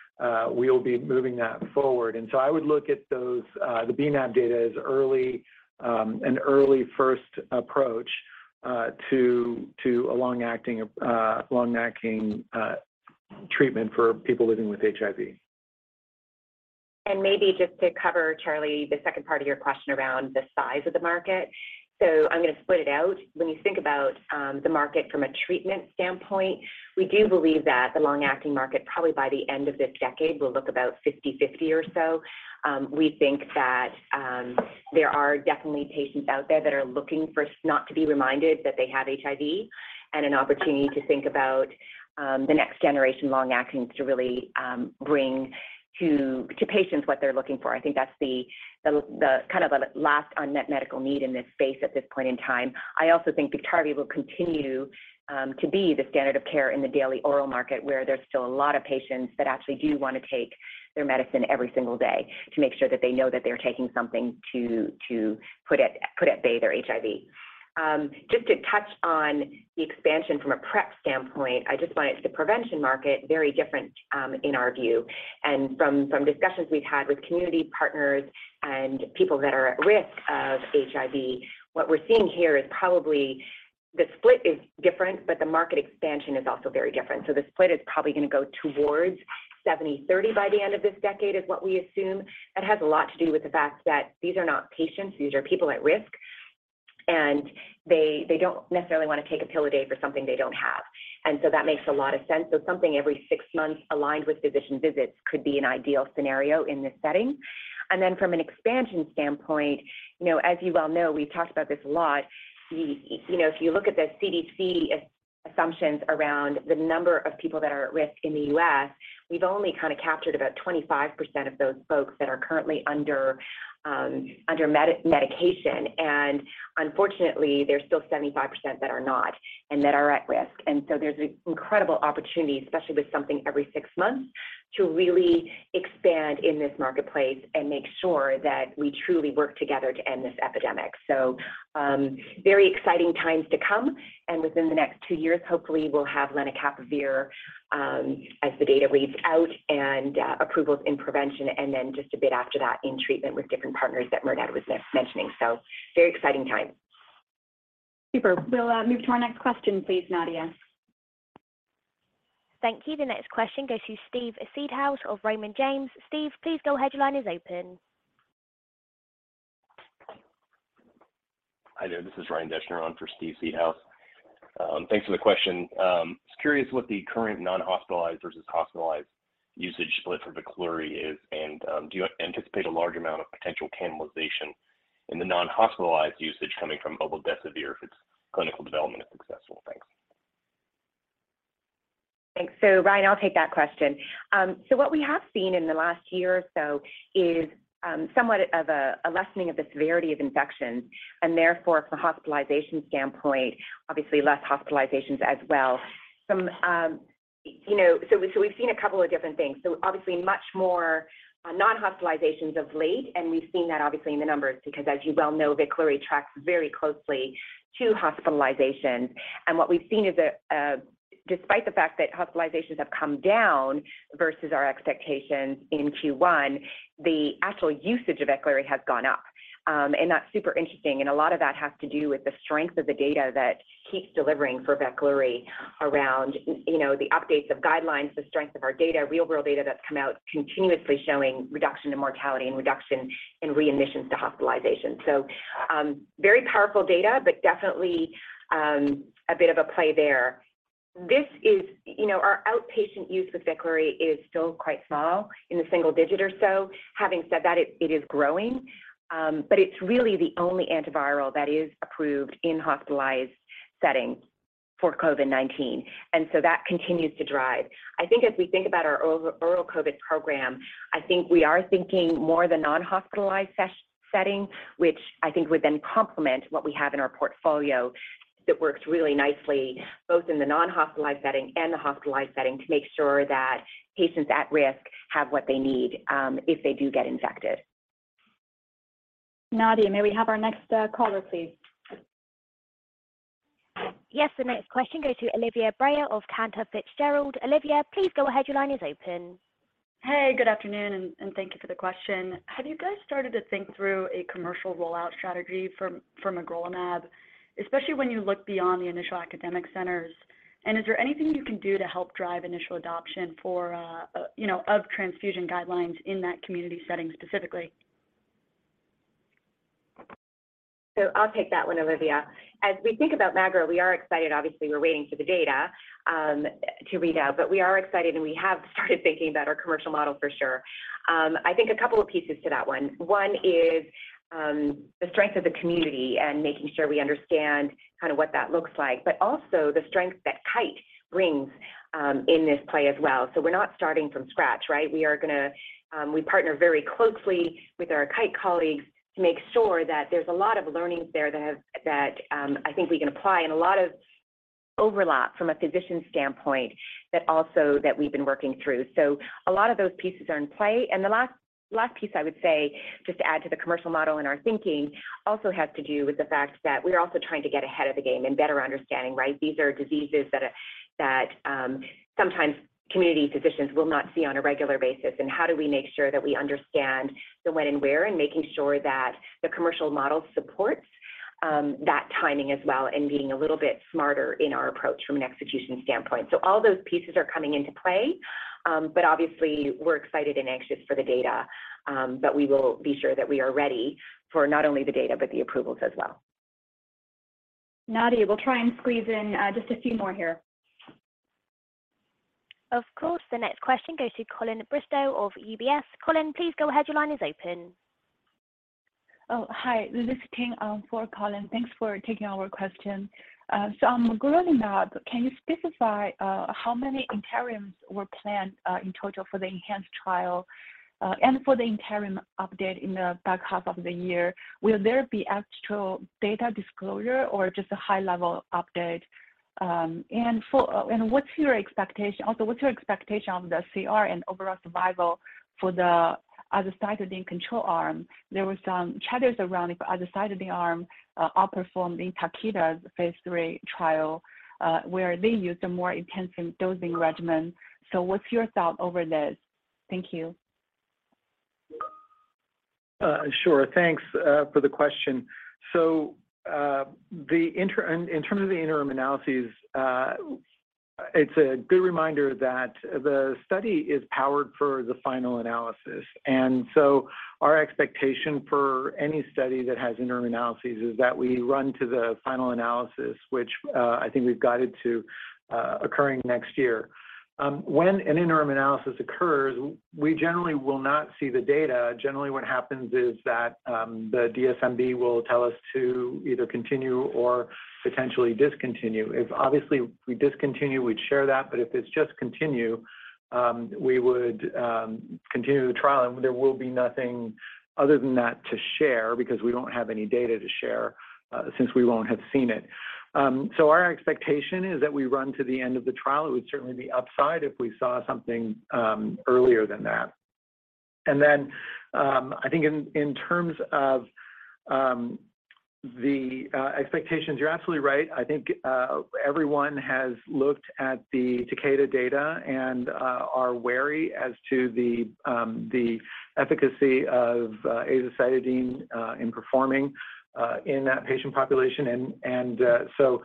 we'll be moving that forward. I would look at those, the bNAb data as early, an early first approach, to a long-acting treatment for people living with HIV. Maybe just to cover, Charlie, the second part of your question around the size of the market. I'm gonna split it out. When you think about the market from a treatment standpoint, we do believe that the long-acting market probably by the end of this decade will look about 50-50 or so. We think that there are definitely patients out there that are looking for not to be reminded that they have HIV and an opportunity to think about the next generation long-acting to really bring to patients what they're looking for. I think that's the kind of a last unmet medical need in this space at this point in time. I also think Biktarvy will continue to be the standard of care in the daily oral market, where there's still a lot of patients that actually do wanna take their medicine every single day to make sure that they know that they're taking something to put at bay their HIV. Just to touch on the expansion from a PrEP standpoint, I just find it the prevention market very different, in our view. From discussions we've had with community partners and people that are at risk of HIV, what we're seeing here is probably the split is different, but the market expansion is also very different. The split is probably gonna go towards 70-30 by the end of this decade, is what we assume. That has a lot to do with the fact that these are not patients, these are people at risk, and they don't necessarily wanna take a pill a day for something they don't have. That makes a lot of sense. Something every 6 months aligned with physician visits could be an ideal scenario in this setting. From an expansion standpoint, you know, as you well know, we've talked about this a lot. You know, if you look at the CDC assumptions around the number of people that are at risk in the US, we've only kinda captured about 25% of those folks that are currently under medication. Unfortunately, there's still 75% that are not and that are at risk. There's an incredible opportunity, especially with something every six months, to really expand in this marketplace and make sure that we truly work together to end this epidemic. Very exciting times to come. Within the next two years, hopefully we'll have lenacapavir as the data reads out, and approvals in prevention, and then just a bit after that in treatment with different partners that Meret was mentioning. Very exciting time. Super. We'll move to our next question please, Nadia. Thank you. The next question goes to Steve Seedhouse of Raymond James. Steve, please go ahead. Your line is open. Hi there. This is Ryan Deschner on for Steve Seedhouse. Thanks for the question. Just curious what the current non-hospitalized versus hospitalized usage split for Veklury is, and, do you anticipate a large amount of potential cannibalization in the non-hospitalized usage coming from obeldesivir if its clinical development is successful? Thanks. Thanks. Ryan, I'll take that question. What we have seen in the last year or so is somewhat of a lessening of the severity of infections and therefore from hospitalization standpoint, obviously less hospitalizations as well. you know, we've seen a couple of different things. obviously much more non-hospitalizations of late, and we've seen that obviously in the numbers because as you well know, Veklury tracks very closely to hospitalizations. What we've seen is that despite the fact that hospitalizations have come down versus our expectations in Q1, the actual usage of Veklury has gone up. That's super interesting, and a lot of that has to do with the strength of the data that keeps delivering for Veklury around, you know, the updates of guidelines, the strength of our data, real world data that's come out continuously showing reduction in mortality and reduction in readmissions to hospitalizations. Very powerful data, but definitely a bit of a play there. You know, our outpatient use with Veklury is still quite small, in the single digit or so. Having said that, it is growing. It's really the only antiviral that is approved in hospitalized settings for COVID-19. That continues to drive. I think as we think about our oral COVID program, I think we are thinking more the non-hospitalized setting, which I think would then complement what we have in our portfolio that works really nicely both in the non-hospitalized setting and the hospitalized setting to make sure that patients at risk have what they need if they do get infected. Nadia, may we have our next caller please? Yes. The next question goes to Olivia Brayer of Cantor Fitzgerald. Olivia, please go ahead. Your line is open. Hey, good afternoon, and thank you for the question. Have you guys started to think through a commercial rollout strategy for magrolimab, especially when you look beyond the initial academic centers? Is there anything you can do to help drive initial adoption for, you know, of transfusion guidelines in that community setting specifically? I'll take that one, Olivia. As we think about magrolimab, we are excited. Obviously, we're waiting for the data to read out, we are excited, we have started thinking about our commercial model for sure. I think a couple of pieces to that one. One is the strength of the community and making sure we understand kind of what that looks like, also the strength that Kite brings in this play as well. We're not starting from scratch, right? We partner very closely with our Kite colleagues to make sure that there's a lot of learnings there that I think we can apply and a lot of overlap from a physician standpoint that also that we've been working through. A lot of those pieces are in play. The last piece I would say, just to add to the commercial model in our thinking, also has to do with the fact that we're also trying to get ahead of the game and better understanding, right? These are diseases that sometimes community physicians will not see on a regular basis, and how do we make sure that we understand the when and where and making sure that the commercial model supports that timing as well and being a little bit smarter in our approach from an execution standpoint. All those pieces are coming into play. Obviously we're excited and anxious for the data. We will be sure that we are ready for not only the data, but the approvals as well. Nadia, we'll try and squeeze in, just a few more here. Of course. The next question goes to Colin Bristow of UBS. Colin, please go ahead. Your line is open. Hi. This is Ting for Colin. Thanks for taking our question. On grelinob, can you specify how many interims were planned in total for the ENHANCE trial and for the interim update in the back half of the year? Will there be actual data disclosure or just a high-level update? What's your expectation on the CR and overall survival for the azacitidine control arm? There was some chatters around if azacitidine arm outperformed in Takeda's Phase III trial where they used a more intensive dosing regimen. What's your thought over this? Thank you. Sure. Thanks for the question. In terms of the interim analyses, it's a good reminder that the study is powered for the final analysis. Our expectation for any study that has interim analyses is that we run to the final analysis, which, I think we've guided to, occurring next year. When an interim analysis occurs, we generally will not see the data. Generally, what happens is that, the DSMB will tell us to either continue or potentially discontinue. If obviously we discontinue, we'd share that, but if it's just continue, we would, continue the trial, and there will be nothing other than that to share because we don't have any data to share, since we won't have seen it. Our expectation is that we run to the end of the trial. It would certainly be upside if we saw something earlier than that. Then, I think in terms of, the expectations, you're absolutely right. I think everyone has looked at the Takeda data and are wary as to the efficacy of azacitidine in performing in that patient population. So,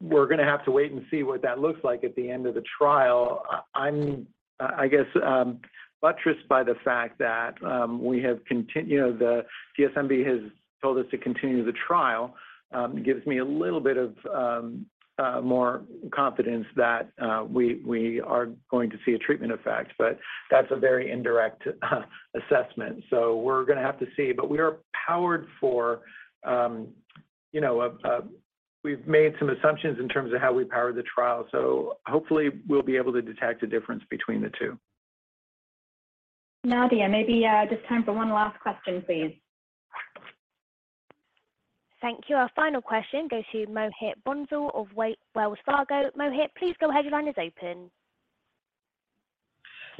we're gonna have to wait and see what that looks like at the end of the trial. I guess, buttressed by the fact that we have you know, the DSMB has told us to continue the trial, gives me a little bit of more confidence that we are going to see a treatment effect. That's a very indirect assessment, so we're gonna have to see. We've made some assumptions in terms of how we power the trial, so hopefully we'll be able to detect a difference between the two. Nadia, maybe, just time for one last question, please. Thank you. Our final question goes to Mohit Bansal of Wells Fargo. Mohit, please go ahead. Your line is open.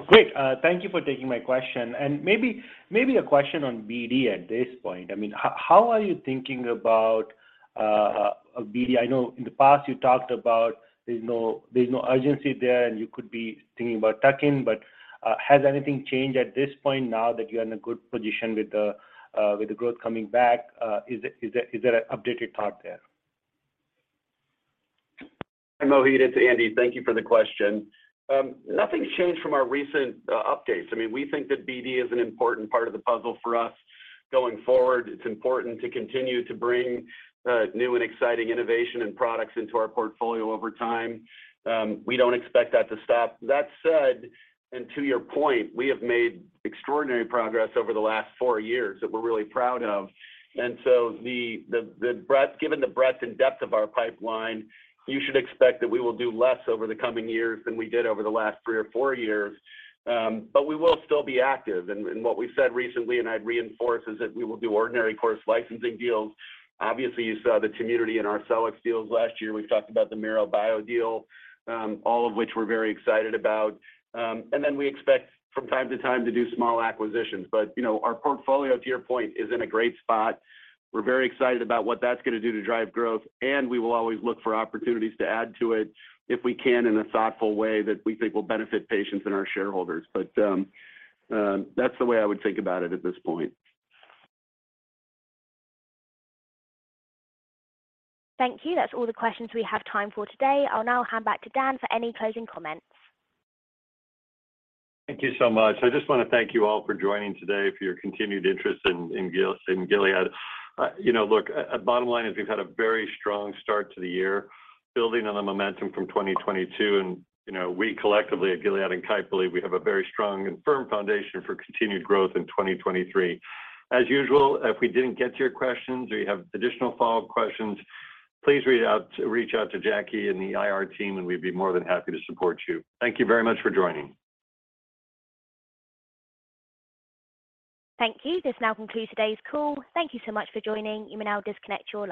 Great. Thank you for taking my question. Maybe, maybe a question on BD at this point. I mean, how are you thinking about BD? I know in the past you talked about there's no, there's no urgency there, and you could be thinking about tucking, but has anything changed at this point now that you're in a good position with the growth coming back? Is there an updated thought there? Hi, Mohit. It's Andy. Thank you for the question. Nothing's changed from our recent updates. I mean, we think that BD is an important part of the puzzle for us going forward. It's important to continue to bring new and exciting innovation and products into our portfolio over time. We don't expect that to stop. That said, and to your point, we have made extraordinary progress over the last 4 years that we're really proud of. The breadth given the breadth and depth of our pipeline, you should expect that we will do less over the coming years than we did over the last 3 or 4 years. We will still be active. What we said recently, and I'd reinforce, is that we will do ordinary course licensing deals. Obviously, you saw the Tmunity and Arcellx deals last year. We've talked about the MiroBio deal, all of which we're very excited about. We expect from time to time to do small acquisitions. You know, our portfolio, to your point, is in a great spot. We're very excited about what that's gonna do to drive growth, and we will always look for opportunities to add to it if we can in a thoughtful way that we think will benefit patients and our shareholders. That's the way I would think about it at this point. Thank you. That's all the questions we have time for today. I'll now hand back to Dan for any closing comments. Thank you so much. I just wanna thank you all for joining today, for your continued interest in Gilead. You know, look, bottom line is we've had a very strong start to the year, building on the momentum from 2022. You know, we collectively at Gilead and Kite believe we have a very strong and firm foundation for continued growth in 2023. As usual, if we didn't get to your questions or you have additional follow-up questions, please reach out to Jacquie and the IR team, and we'd be more than happy to support you. Thank you very much for joining. Thank you. This now concludes today's call. Thank you so much for joining. You may now disconnect your lines.